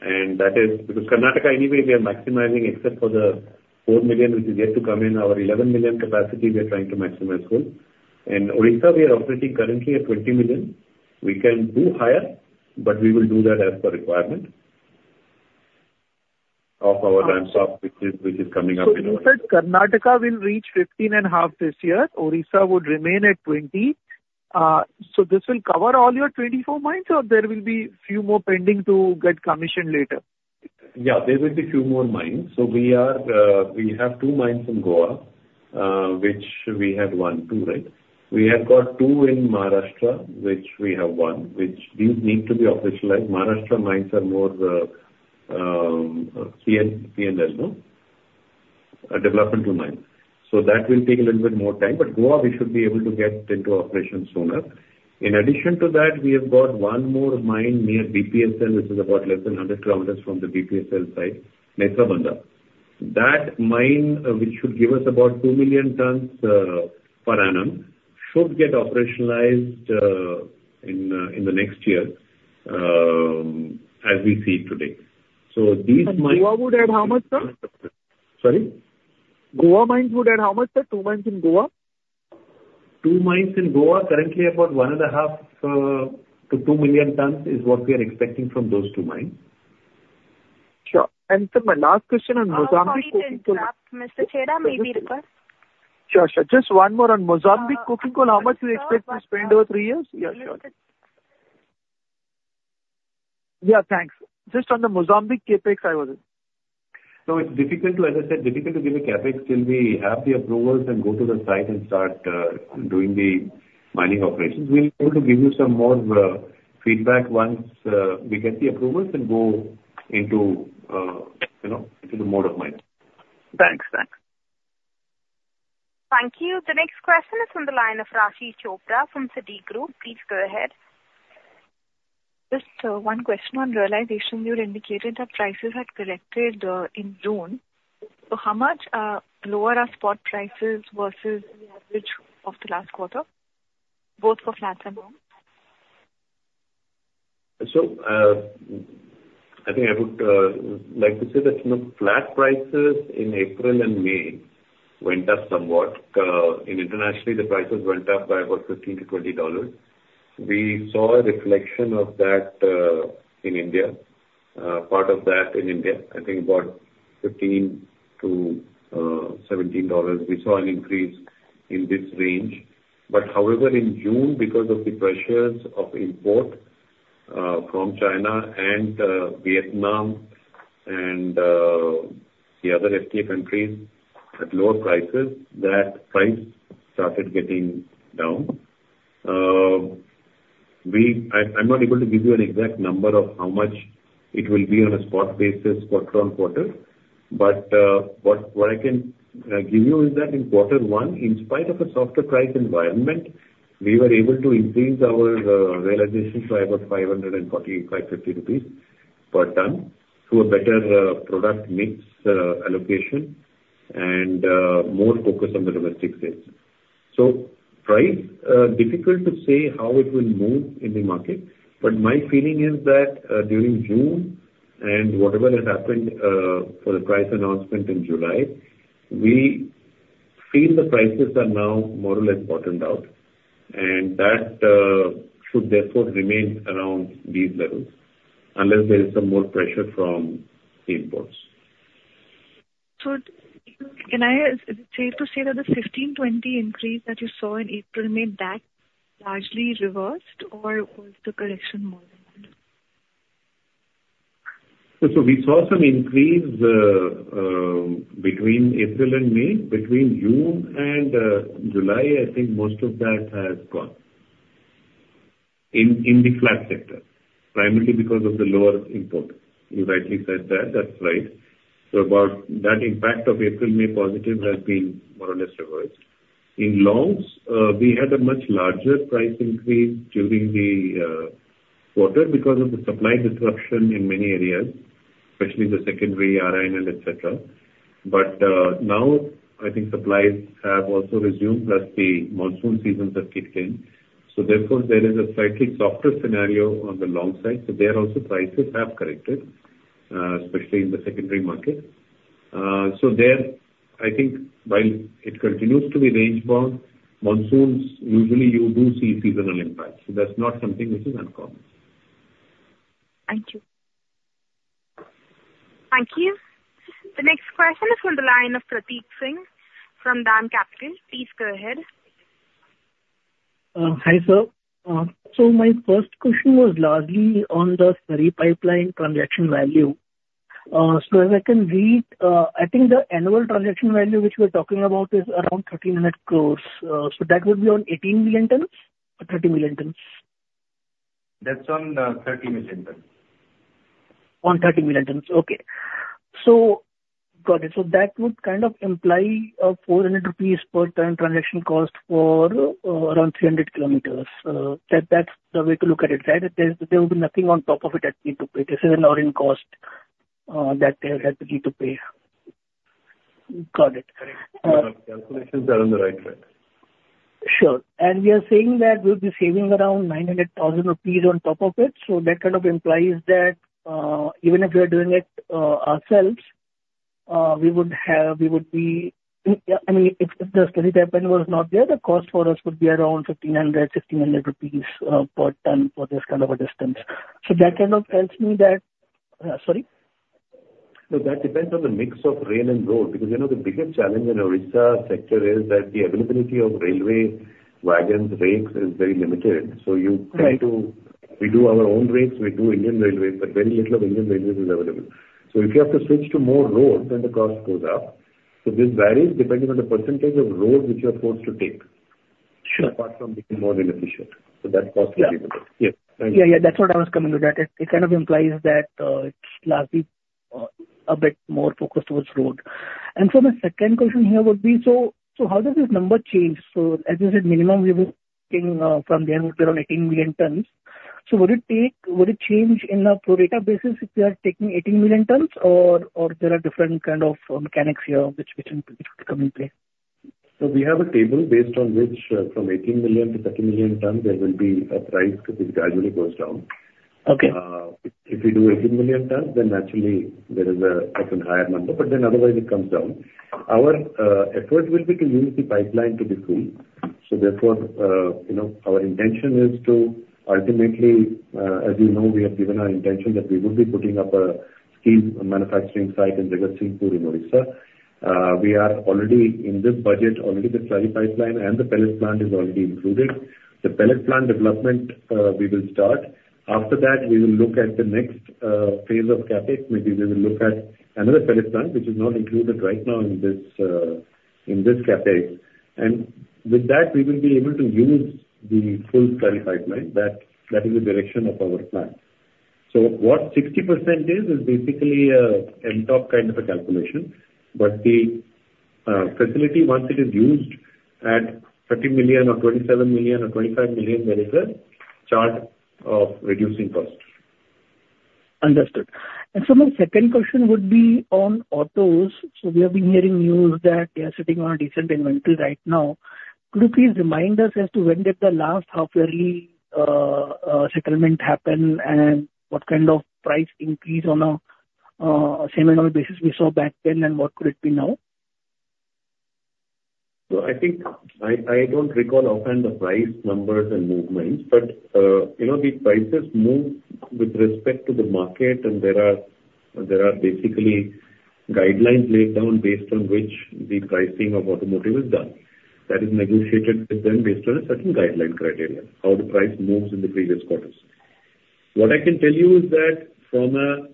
And that is because Karnataka anyway, we are maximizing except for the 4 million which is yet to come in, our 11 million capacity we are trying to maximize full. In Orissa, we are operating currently at 20 million. We can do higher, but we will do that as per requirement of our ramp-up, which is coming up in August. So you said Karnataka will reach 15.5 this year. Odisha would remain at 20. So this will cover all your 24 mines, or there will be a few more pending to get commissioned later? Yeah. There will be a few more mines. So we have 2 mines in Goa, which we have 1, 2, right? We have got 2 in Maharashtra, which we have 1, which these need to be officialized. Maharashtra mines are more P&L, developmental mines. So that will take a little bit more time. But Goa, we should be able to get into operations sooner. In addition to that, we have got one more mine near BPSL, which is about less than 100 km from the BPSL site, Netrabandha. That mine, which should give us about 2 million tons per annum, should get operationalized in the next year as we see it today. So these mines. And Goa would add how much, sir? Sorry? Goa mines would add how much, sir? Two mines in Goa? Two mines in Goa, currently about 1.5-2 million tons is what we are expecting from those two mines. Sure. And my last question on Mozambique coking coal? Okay. Mr. Chheda, maybe you can? Sure, sure. Just one more on Mozambique coking coal, how much do you expect to spend over 3 years? Yeah, sure. Yeah, thanks. Just on the Mozambique CapEx, I wasn't. So it's difficult to, as I said, difficult to give a CapEx till we have the approvals and go to the site and start doing the mining operations. We'll be able to give you some more feedback once we get the approvals and go into the mode of mining. Thanks. Thanks. Thank you. The next question is from the line of Raashi Chopra from Citigroup. Please go ahead. Just one question on realization. You had indicated that prices had corrected in June. So how much lower are spot prices versus the average of the last quarter, both for flats and longs? So I think I would like to say that flat prices in April and May went up somewhat. Internationally, the prices went up by about $15-$20. We saw a reflection of that in India. Part of that in India, I think about $15-$17. We saw an increase in this range. However, in June, because of the pressures of import from China and Vietnam and the other FTA countries at lower prices, that price started getting down. I'm not able to give you an exact number of how much it will be on a spot basis quarter-on-quarter. What I can give you is that in quarter one, in spite of a softer price environment, we were able to increase our realization by about 540-550 rupees per ton to a better product mix allocation and more focus on the domestic sales. So, price, difficult to say how it will move in the market, but my feeling is that during June and whatever has happened for the price announcement in July, we feel the prices are now more or less bottomed out, and that should therefore remain around these levels unless there is some more pressure from the imports. So can I say to say that the 15-20 increase that you saw in April, May, that largely reversed, or was the correction more than that? So we saw some increase between April and May. Between June and July, I think most of that has gone in the flat sector, primarily because of the lower import. You rightly said that. That's right. So that impact of April, May positive has been more or less reversed. In longs, we had a much larger price increase during the quarter because of the supply disruption in many areas, especially the secondary re-rollers, etc. But now, I think supplies have also resumed, plus the monsoon seasons have kicked in. So therefore, there is a slightly softer scenario on the long side. So there also, prices have corrected, especially in the secondary market. So there, I think while it continues to be range bound, monsoons, usually you do see seasonal impacts. So that's not something which is uncommon. Thank you. Thank you. The next question is from the line of Prateek Singh from DAM Capital. Please go ahead. Hi, sir. So my first question was largely on the slurry pipeline transaction value. So as I can read, I think the annual transaction value which we're talking about is around 30 million tons. So that would be on 18 million tons or 30 million tons? That's on 30 million tons. On 30 million tons. Okay. So got it. So that would kind of imply a 400 rupees per ton transaction cost for around 300 km. That's the way to look at it, right? There will be nothing on top of it that need to pay. This is an ongoing cost that they have to pay. Got it. Correct. The calculations are on the right track. Sure. And we are saying that we'll be saving around 900 rupees on top of it. So that kind of implies that even if we are doing it ourselves, we would be I mean, if the slurry pipeline was not there, the cost for us would be around 1,500-1,600 rupees per ton for this kind of a distance. So that kind of tells me that sorry? So that depends on the mix of rail and road. Because the biggest challenge in Odisha sector is that the availability of railway wagons, rakes, is very limited. So we do our own rakes. We do Indian Railways, but very little of Indian Railways is available. So if you have to switch to more road, then the cost goes up. So this varies depending on the percentage of road which you are forced to take, apart from being more inefficient. So that cost will be the one. Yes. Thank you. Yeah, yeah. That's what I was coming to that. It kind of implies that it's largely a bit more focused towards road. So my second question here would be, so how does this number change? So as you said, minimum we were thinking from there would be around 18 million tons. So would it change in the flow data basis if we are taking 18 million tons, or there are different kind of mechanics here which come into play? So we have a table based on which from 18 million - 30 million tons, there will be a price because it gradually goes down. If we do 18 million tons, then naturally there is a higher number, but then otherwise it comes down. Our effort will be to use the pipeline to be full. So therefore, our intention is to ultimately, as you know, we have given our intention that we would be putting up a steel manufacturing site in Jagatsinghpur in Odisha. We are already in this budget. Already the slurry pipeline and the pellet plant is already included. The pellet plant development we will start. After that, we will look at the next phase of CapEx. Maybe we will look at another pellet plant, which is not included right now in this CapEx. And with that, we will be able to use the full slurry pipeline. That is the direction of our plan. So what 60% is, is basically an end-of kind of a calculation. But the facility, once it is used at 30 million or 27 million or 25 million, there is a chart of reducing cost. Understood. And so my second question would be on autos. So we have been hearing news that you are sitting on a decent inventory right now. Could you please remind us as to when did the last half-yearly settlement happen and what kind of price increase on a semi-annual basis we saw back then and what could it be now? So I think I don't recall offhand the price numbers and movements, but the prices move with respect to the market, and there are basically guidelines laid down based on which the pricing of automotive is done. That is negotiated with them based on a certain guideline criteria, how the price moves in the previous quarters. What I can tell you is that from a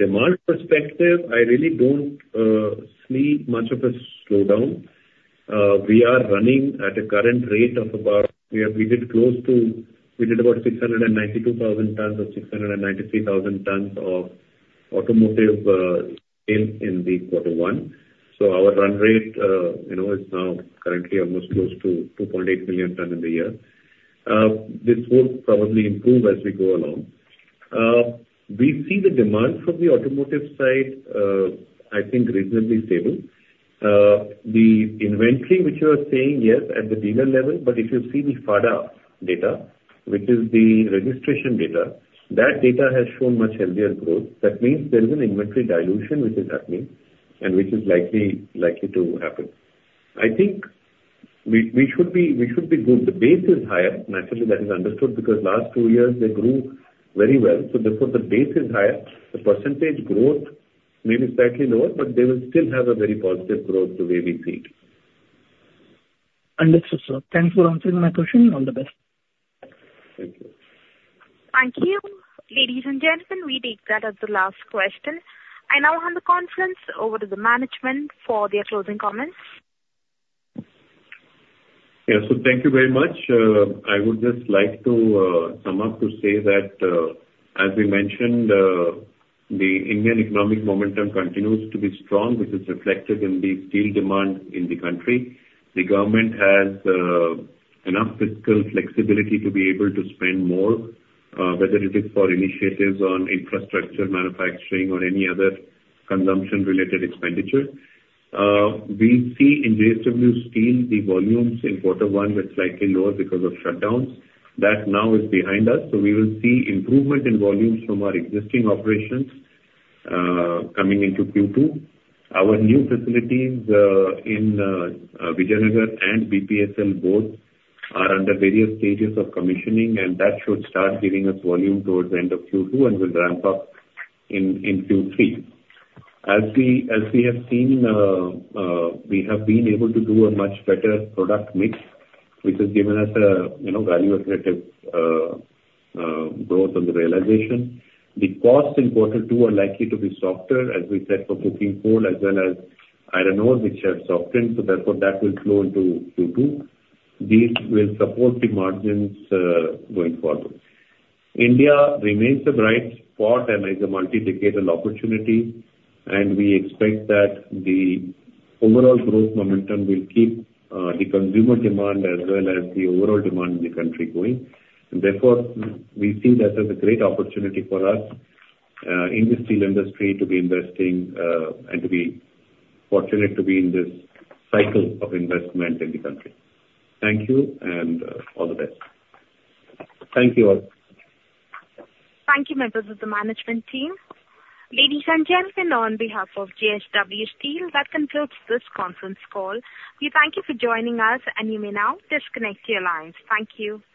demand perspective, I really don't see much of a slowdown. We are running at a current rate of about close to 692,000 tons or 693,000 tons of automotive in the quarter one. So our run rate is now currently almost close to 2.8 million tons in the year. This will probably improve as we go along. We see the demand from the automotive side, I think, reasonably stable. The inventory, which you are saying, yes, at the dealer level, but if you see the FADA data, which is the registration data, that data has shown much healthier growth. That means there is an inventory dilution which is happening and which is likely to happen. I think we should be good. The base is higher. Naturally, that is understood because last two years they grew very well. So therefore, the base is higher. The percentage growth may be slightly lower, but they will still have a very positive growth the way we see it. Understood, sir. Thanks for answering my question. All the best. Thank you. Thank you. Ladies and gentlemen, we take that as the last question. I now hand the conference over to the management for their closing comments. Yes. So thank you very much. I would just like to sum up to say that, as we mentioned, the Indian economic momentum continues to be strong, which is reflected in the steel demand in the country. The government has enough fiscal flexibility to be able to spend more, whether it is for initiatives on infrastructure manufacturing or any other consumption-related expenditure. We see in JSW Steel, the volumes in quarter one were slightly lower because of shutdowns. That now is behind us. So we will see improvement in volumes from our existing operations coming into Q2. Our new facilities in Vijayanagar and BPSL both are under various stages of commissioning, and that should start giving us volume towards the end of Q2 and will ramp up in Q3. As we have seen, we have been able to do a much better product mix, which has given us a value-attractive growth on the realization. The costs in quarter two are likely to be softer, as we said, for coking coal as well as iron ore, which have softened. So therefore, that will flow into Q2. These will support the margins going forward. India remains a bright spot and is a multi-decadal opportunity, and we expect that the overall growth momentum will keep the consumer demand as well as the overall demand in the country going. Therefore, we see that as a great opportunity for us in the steel industry to be investing and to be fortunate to be in this cycle of investment in the country. Thank you and all the best. Thank you all. Thank you, members, of the management team. Ladies and gentlemen, on behalf of JSW Steel, that concludes this conference call. We thank you for joining us, and you may now disconnect your lines. Thank you.